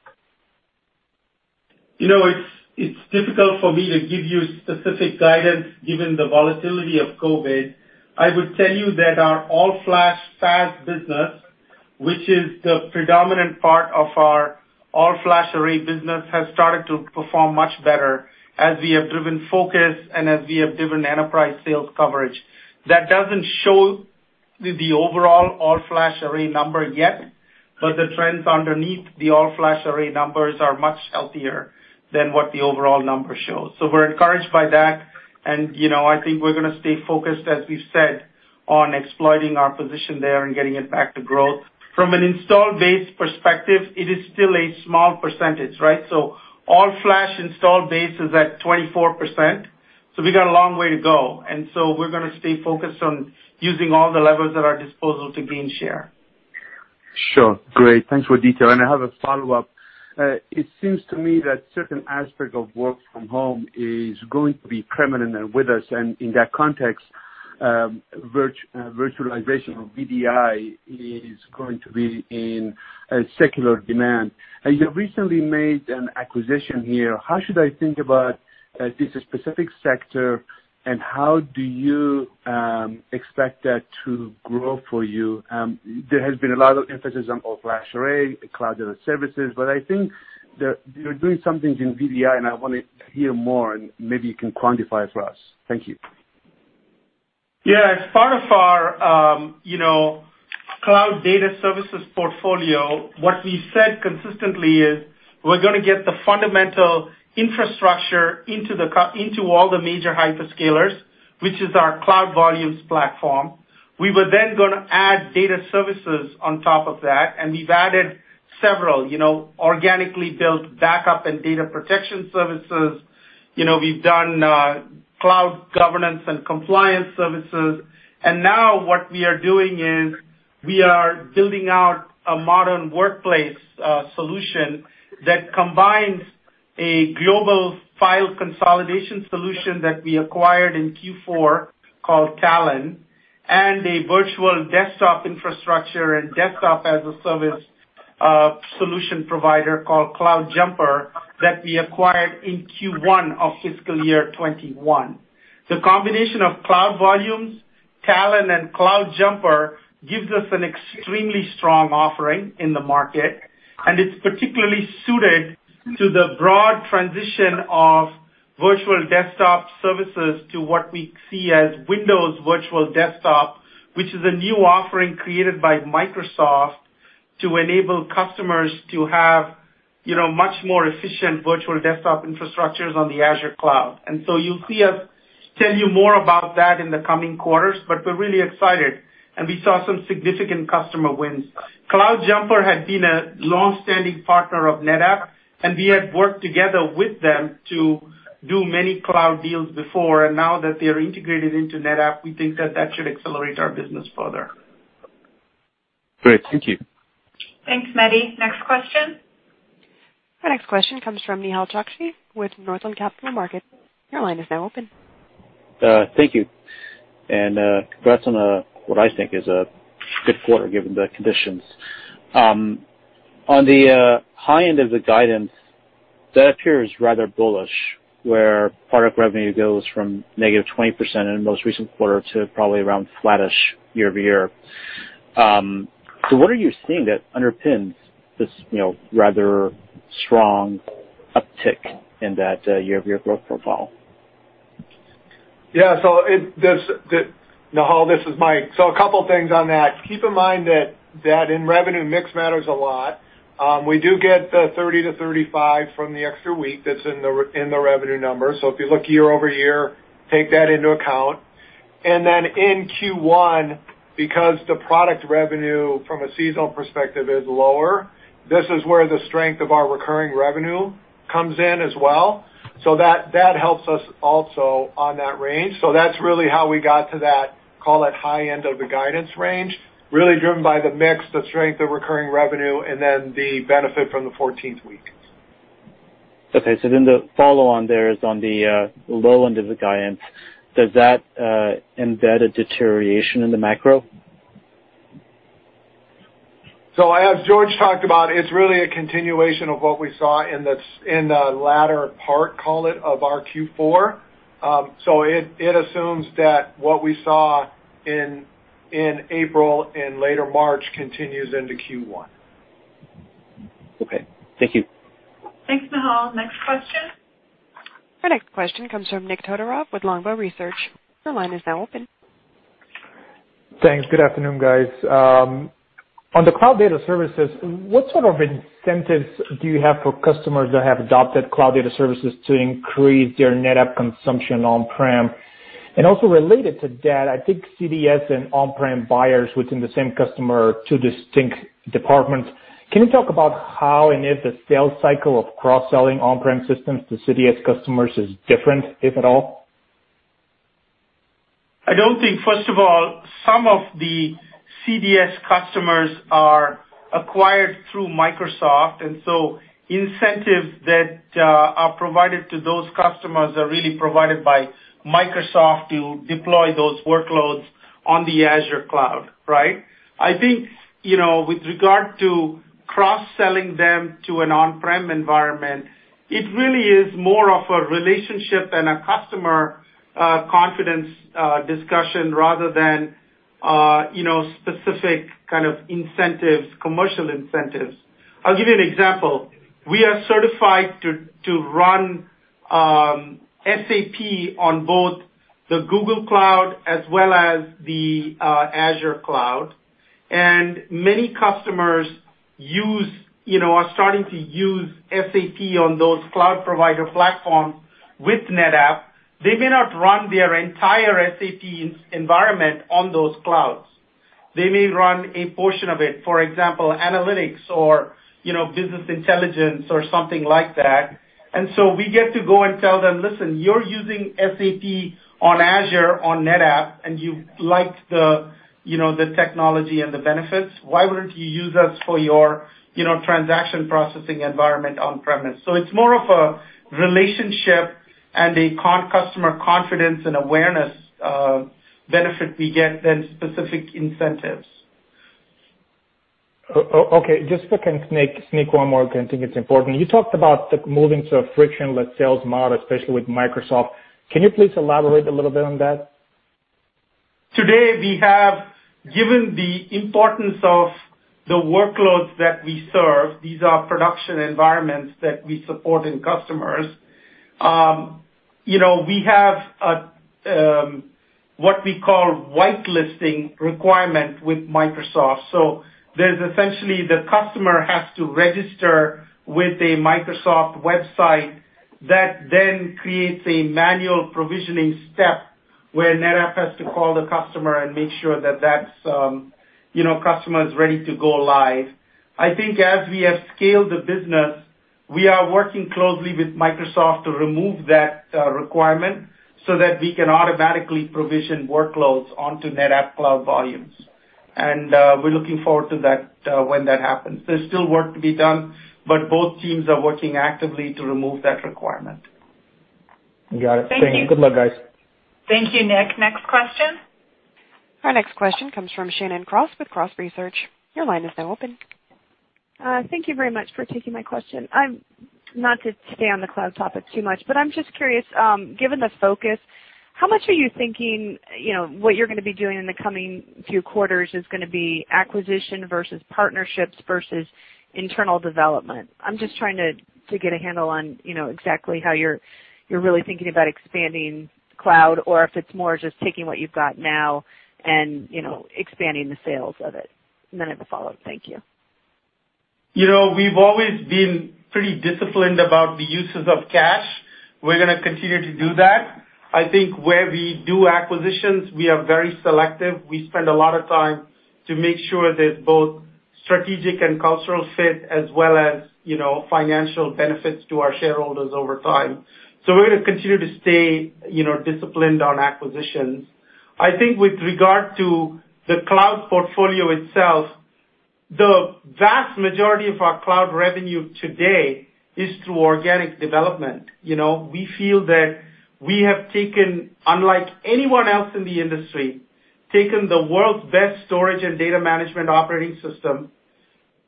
It's difficult for me to give you specific guidance given the volatility of COVID. I would tell you that our all-flash fast business, which is the predominant part of our all-flash array business, has started to perform much better as we have driven focus and as we have driven enterprise sales coverage. That doesn't show the overall all-flash array number yet, but the trends underneath the all-flash array numbers are much healthier than what the overall number shows. We're encouraged by that. I think we're going to stay focused, as we've said, on exploiting our position there and getting it back to growth. From an install-based perspective, it is still a small percentage, right? All-flash install base is at 24%. We got a long way to go. We are going to stay focused on using all the levels at our disposal to gain share. Sure. Great. Thanks for detail. I have a follow-up. It seems to me that certain aspects of work from home are going to be permanent with us. In that context, virtualization of VDI is going to be in a secular demand. You recently made an acquisition here. How should I think about this specific sector, and how do you expect that to grow for you? There has been a lot of emphasis on all-flash array, cloud data services, but I think you're doing some things in VDI, and I want to hear more, and maybe you can quantify it for us. Thank you. Yeah. As part of our cloud data services portfolio, what we said consistently is we're going to get the fundamental infrastructure into all the major hyperscalers, which is our cloud volumes platform. We were then going to add data services on top of that, and we've added several organically built backup and data protection services. We've done cloud governance and compliance services. What we are doing now is we are building out a modern workplace solution that combines a global file consolidation solution that we acquired in Q4 called Talon and a virtual desktop infrastructure and desktop as a service solution provider called CloudJumper that we acquired in Q1 of fiscal year 2021. The combination of Cloud Volumes, Talon, and CloudJumper gives us an extremely strong offering in the market, and it is particularly suited to the broad transition of virtual desktop services to what we see as Windows Virtual Desktop, which is a new offering created by Microsoft to enable customers to have much more efficient virtual desktop infrastructures on the Azure Cloud. You will see us tell you more about that in the coming quarters, but we are really excited, and we saw some significant customer wins. CloudJumper had been a long-standing partner of NetApp, and we had worked together with them to do many cloud deals before. Now that they are integrated into NetApp, we think that that should accelerate our business further. Great. Thank you. Thanks, Mehdi. Next question. Our next question comes from Nehal Chokshi with Northland Capital Markets. Your line is now open. Thank you. And congrats on what I think is a good quarter given the conditions. On the high end of the guidance, that appears rather bullish where product revenue goes from negative 20% in the most recent quarter to probably around flattish year-over-year. What are you seeing that underpins this rather strong uptick in that year-over-year growth profile? Yeah. Nihal, this is Mike. A couple of things on that. Keep in mind that in revenue, mix matters a lot. We do get the 30-35 from the extra week that's in the revenue number. If you look year-over-year, take that into account. In Q1, because the product revenue from a seasonal perspective is lower, this is where the strength of our recurring revenue comes in as well. That helps us also on that range. That is really how we got to that, call it, high end of the guidance range, really driven by the mix, the strength of recurring revenue, and the benefit from the 14th week. Okay. The follow-on there is on the low end of the guidance. Does that embed a deterioration in the macro? I have George talked about it's really a continuation of what we saw in the latter part, call it, of our Q4. It assumes that what we saw in April and later March continues into Q1. Okay. Thank you. Thanks, Nihal. Next question. Our next question comes from Nick Todorov with Longbow Research. Your line is now open. Thanks. Good afternoon, guys. On the cloud data services, what sort of incentives do you have for customers that have adopted cloud data services to increase their NetApp consumption on-prem? Also related to that, I think CDS and on-prem buyers within the same customer are two distinct departments. Can you talk about how and if the sales cycle of cross-selling on-prem systems to CDS customers is different, if at all? I do not think. First of all, some of the CDS customers are acquired through Microsoft, and so incentives that are provided to those customers are really provided by Microsoft to deploy those workloads on the Azure Cloud, right? I think with regard to cross-selling them to an on-prem environment, it really is more of a relationship than a customer confidence discussion rather than specific kind of incentives, commercial incentives. I'll give you an example. We are certified to run SAP on both the Google Cloud as well as the Azure Cloud. Many customers are starting to use SAP on those cloud provider platforms with NetApp. They may not run their entire SAP environment on those clouds. They may run a portion of it, for example, analytics or business intelligence or something like that. We get to go and tell them, "Listen, you're using SAP on Azure on NetApp, and you like the technology and the benefits. Why wouldn't you use us for your transaction processing environment on-premise?" It is more of a relationship and a customer confidence and awareness benefit we get than specific incentives. Okay. Just to sneak one more in, because I think it's important. You talked about the moving to a frictionless sales model, especially with Microsoft. Can you please elaborate a little bit on that? Today, we have, given the importance of the workloads that we serve, these are production environments that we support in customers. We have what we call whitelisting requirements with Microsoft. So there's essentially the customer has to register with a Microsoft website that then creates a manual provisioning step where NetApp has to call the customer and make sure that that customer is ready to go live. I think as we have scaled the business, we are working closely with Microsoft to remove that requirement so that we can automatically provision workloads onto NetApp Cloud Volumes. We are looking forward to that when that happens. There's still work to be done, but both teams are working actively to remove that requirement. Got it. Thank you. Good luck, guys. Thank you, Nick. Next question. Our next question comes from Shannon Cross with Cross Research. Your line is now open. Thank you very much for taking my question. Not to stay on the cloud topic too much, but I'm just curious, given the focus, how much are you thinking what you're going to be doing in the coming few quarters is going to be acquisition versus partnerships versus internal development? I'm just trying to get a handle on exactly how you're really thinking about expanding cloud or if it's more just taking what you've got now and expanding the sales of it.I have a follow-up. Thank you. We've always been pretty disciplined about the uses of cash. We're going to continue to do that. I think where we do acquisitions, we are very selective. We spend a lot of time to make sure there's both strategic and cultural fit as well as financial benefits to our shareholders over time. We're going to continue to stay disciplined on acquisitions. I think with regard to the cloud portfolio itself, the vast majority of our cloud revenue today is through organic development. We feel that we have taken, unlike anyone else in the industry, taken the world's best storage and data management operating system,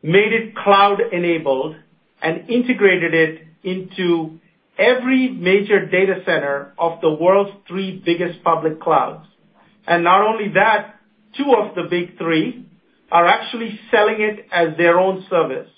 made it cloud-enabled, and integrated it into every major data center of the world's three biggest public clouds. Not only that, two of the big three are actually selling it as their own service.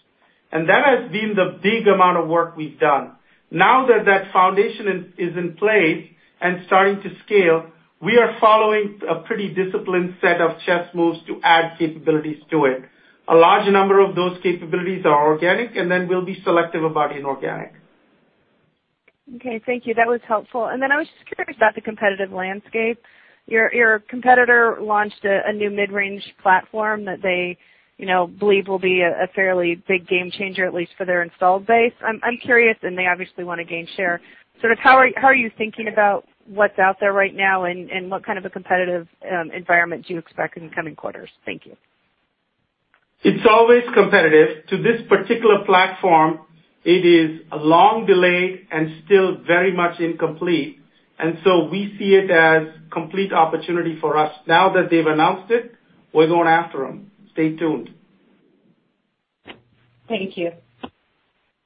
That has been the big amount of work we've done. Now that that foundation is in place and starting to scale, we are following a pretty disciplined set of chess moves to add capabilities to it. A large number of those capabilities are organic, and then we'll be selective about inorganic. Okay. Thank you. That was helpful. I was just curious about the competitive landscape. Your competitor launched a new mid-range platform that they believe will be a fairly big game changer, at least for their installed base. I'm curious, and they obviously want to gain share. Sort of how are you thinking about what's out there right now and what kind of a competitive environment do you expect in the coming quarters? Thank you. It's always competitive. To this particular platform, it is long delayed and still very much incomplete. We see it as a complete opportunity for us. Now that they've announced it, we're going after them. Stay tuned. Thank you.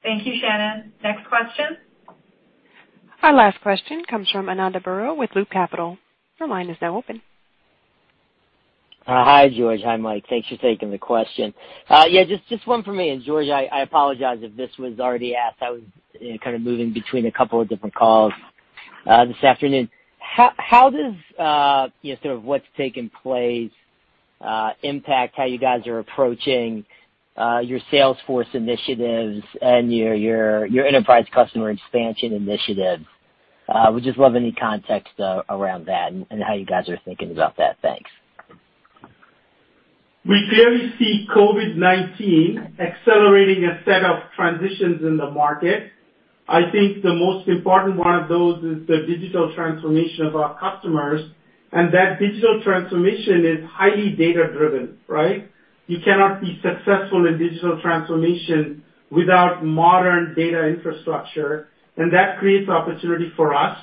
Thank you, Shannon. Next question. Our last question comes from Ananda Baruah with Loop Capital. Your line is now open. Hi, George. Hi, Mike. Thanks for taking the question. Yeah. Just one for me. And George, I apologize if this was already asked. I was kind of moving between a couple of different calls this afternoon. How does sort of what's taking place impact how you guys are approaching your Salesforce initiatives and your enterprise customer expansion initiatives? We just love any context around that and how you guys are thinking about that. Thanks. We clearly see COVID-19 accelerating a set of transitions in the market. I think the most important one of those is the digital transformation of our customers, and that digital transformation is highly data-driven, right? You cannot be successful in digital transformation without modern data infrastructure, and that creates opportunity for us.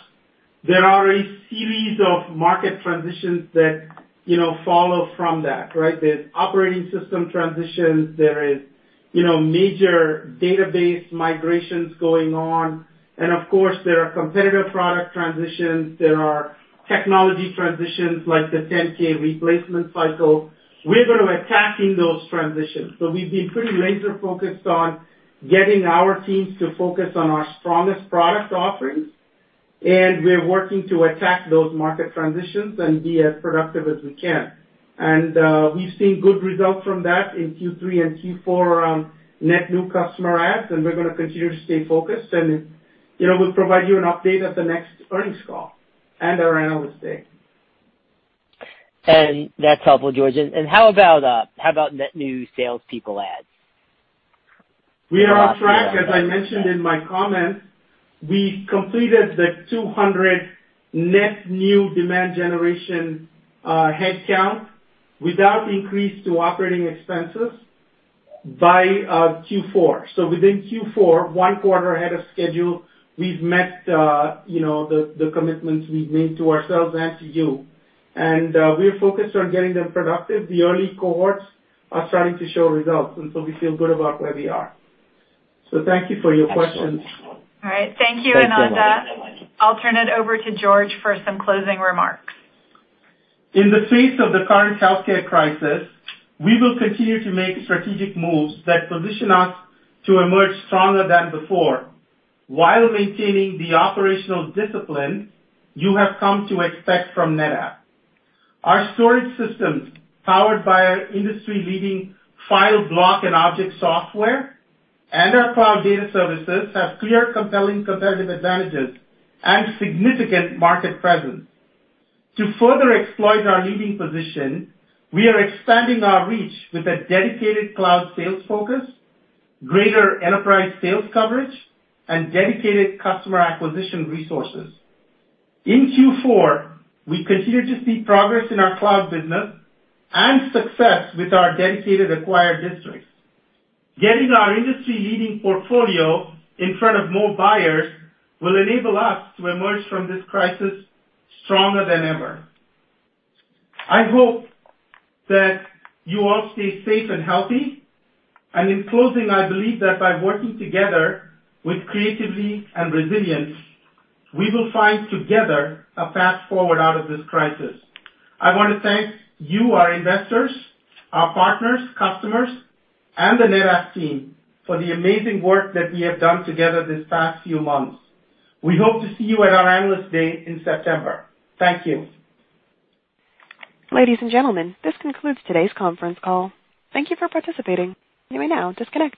There are a series of market transitions that follow from that, right? There are operating system transitions. There are major database migrations going on. Of course, there are competitive product transitions. There are technology transitions like the 10K replacement cycle. We're going to attack those transitions. We've been pretty laser-focused on getting our teams to focus on our strongest product offerings, and we're working to attack those market transitions and be as productive as we can. We've seen good results from that in Q3 and Q4 net new customer ads, and we're going to continue to stay focused. We'll provide you an update at the next earnings call and our analyst day. That's helpful, George. How about net new salespeople ads? We are on track. As I mentioned in my comments, we completed the 200 net new demand generation headcount without increase to operating expenses by Q4. Within Q4, one quarter ahead of schedule, we've met the commitments we've made to ourselves and to you. We're focused on getting them productive. The early cohorts are starting to show results, and we feel good about where we are. Thank you for your questions. Thank you, Ananda. I'll turn it over to George for some closing remarks. In the face of the current healthcare crisis, we will continue to make strategic moves that position us to emerge stronger than before while maintaining the operational discipline you have come to expect from NetApp. Our storage systems powered by industry-leading file, block, and object software and our cloud data services have clear, compelling competitive advantages and significant market presence. To further exploit our leading position, we are expanding our reach with a dedicated cloud sales focus, greater enterprise sales coverage, and dedicated customer acquisition resources. In Q4, we continue to see progress in our cloud business and success with our dedicated acquired districts. Getting our industry-leading portfolio in front of more buyers will enable us to emerge from this crisis stronger than ever. I hope that you all stay safe and healthy. In closing, I believe that by working together creatively and resiliently, we will find together a path forward out of this crisis. I want to thank you, our investors, our partners, customers, and the NetApp team for the amazing work that we have done together this past few months. We hope to see you at our analyst day in September. Thank you. Ladies and gentlemen, this concludes today's conference call. Thank you for participating. You may now disconnect.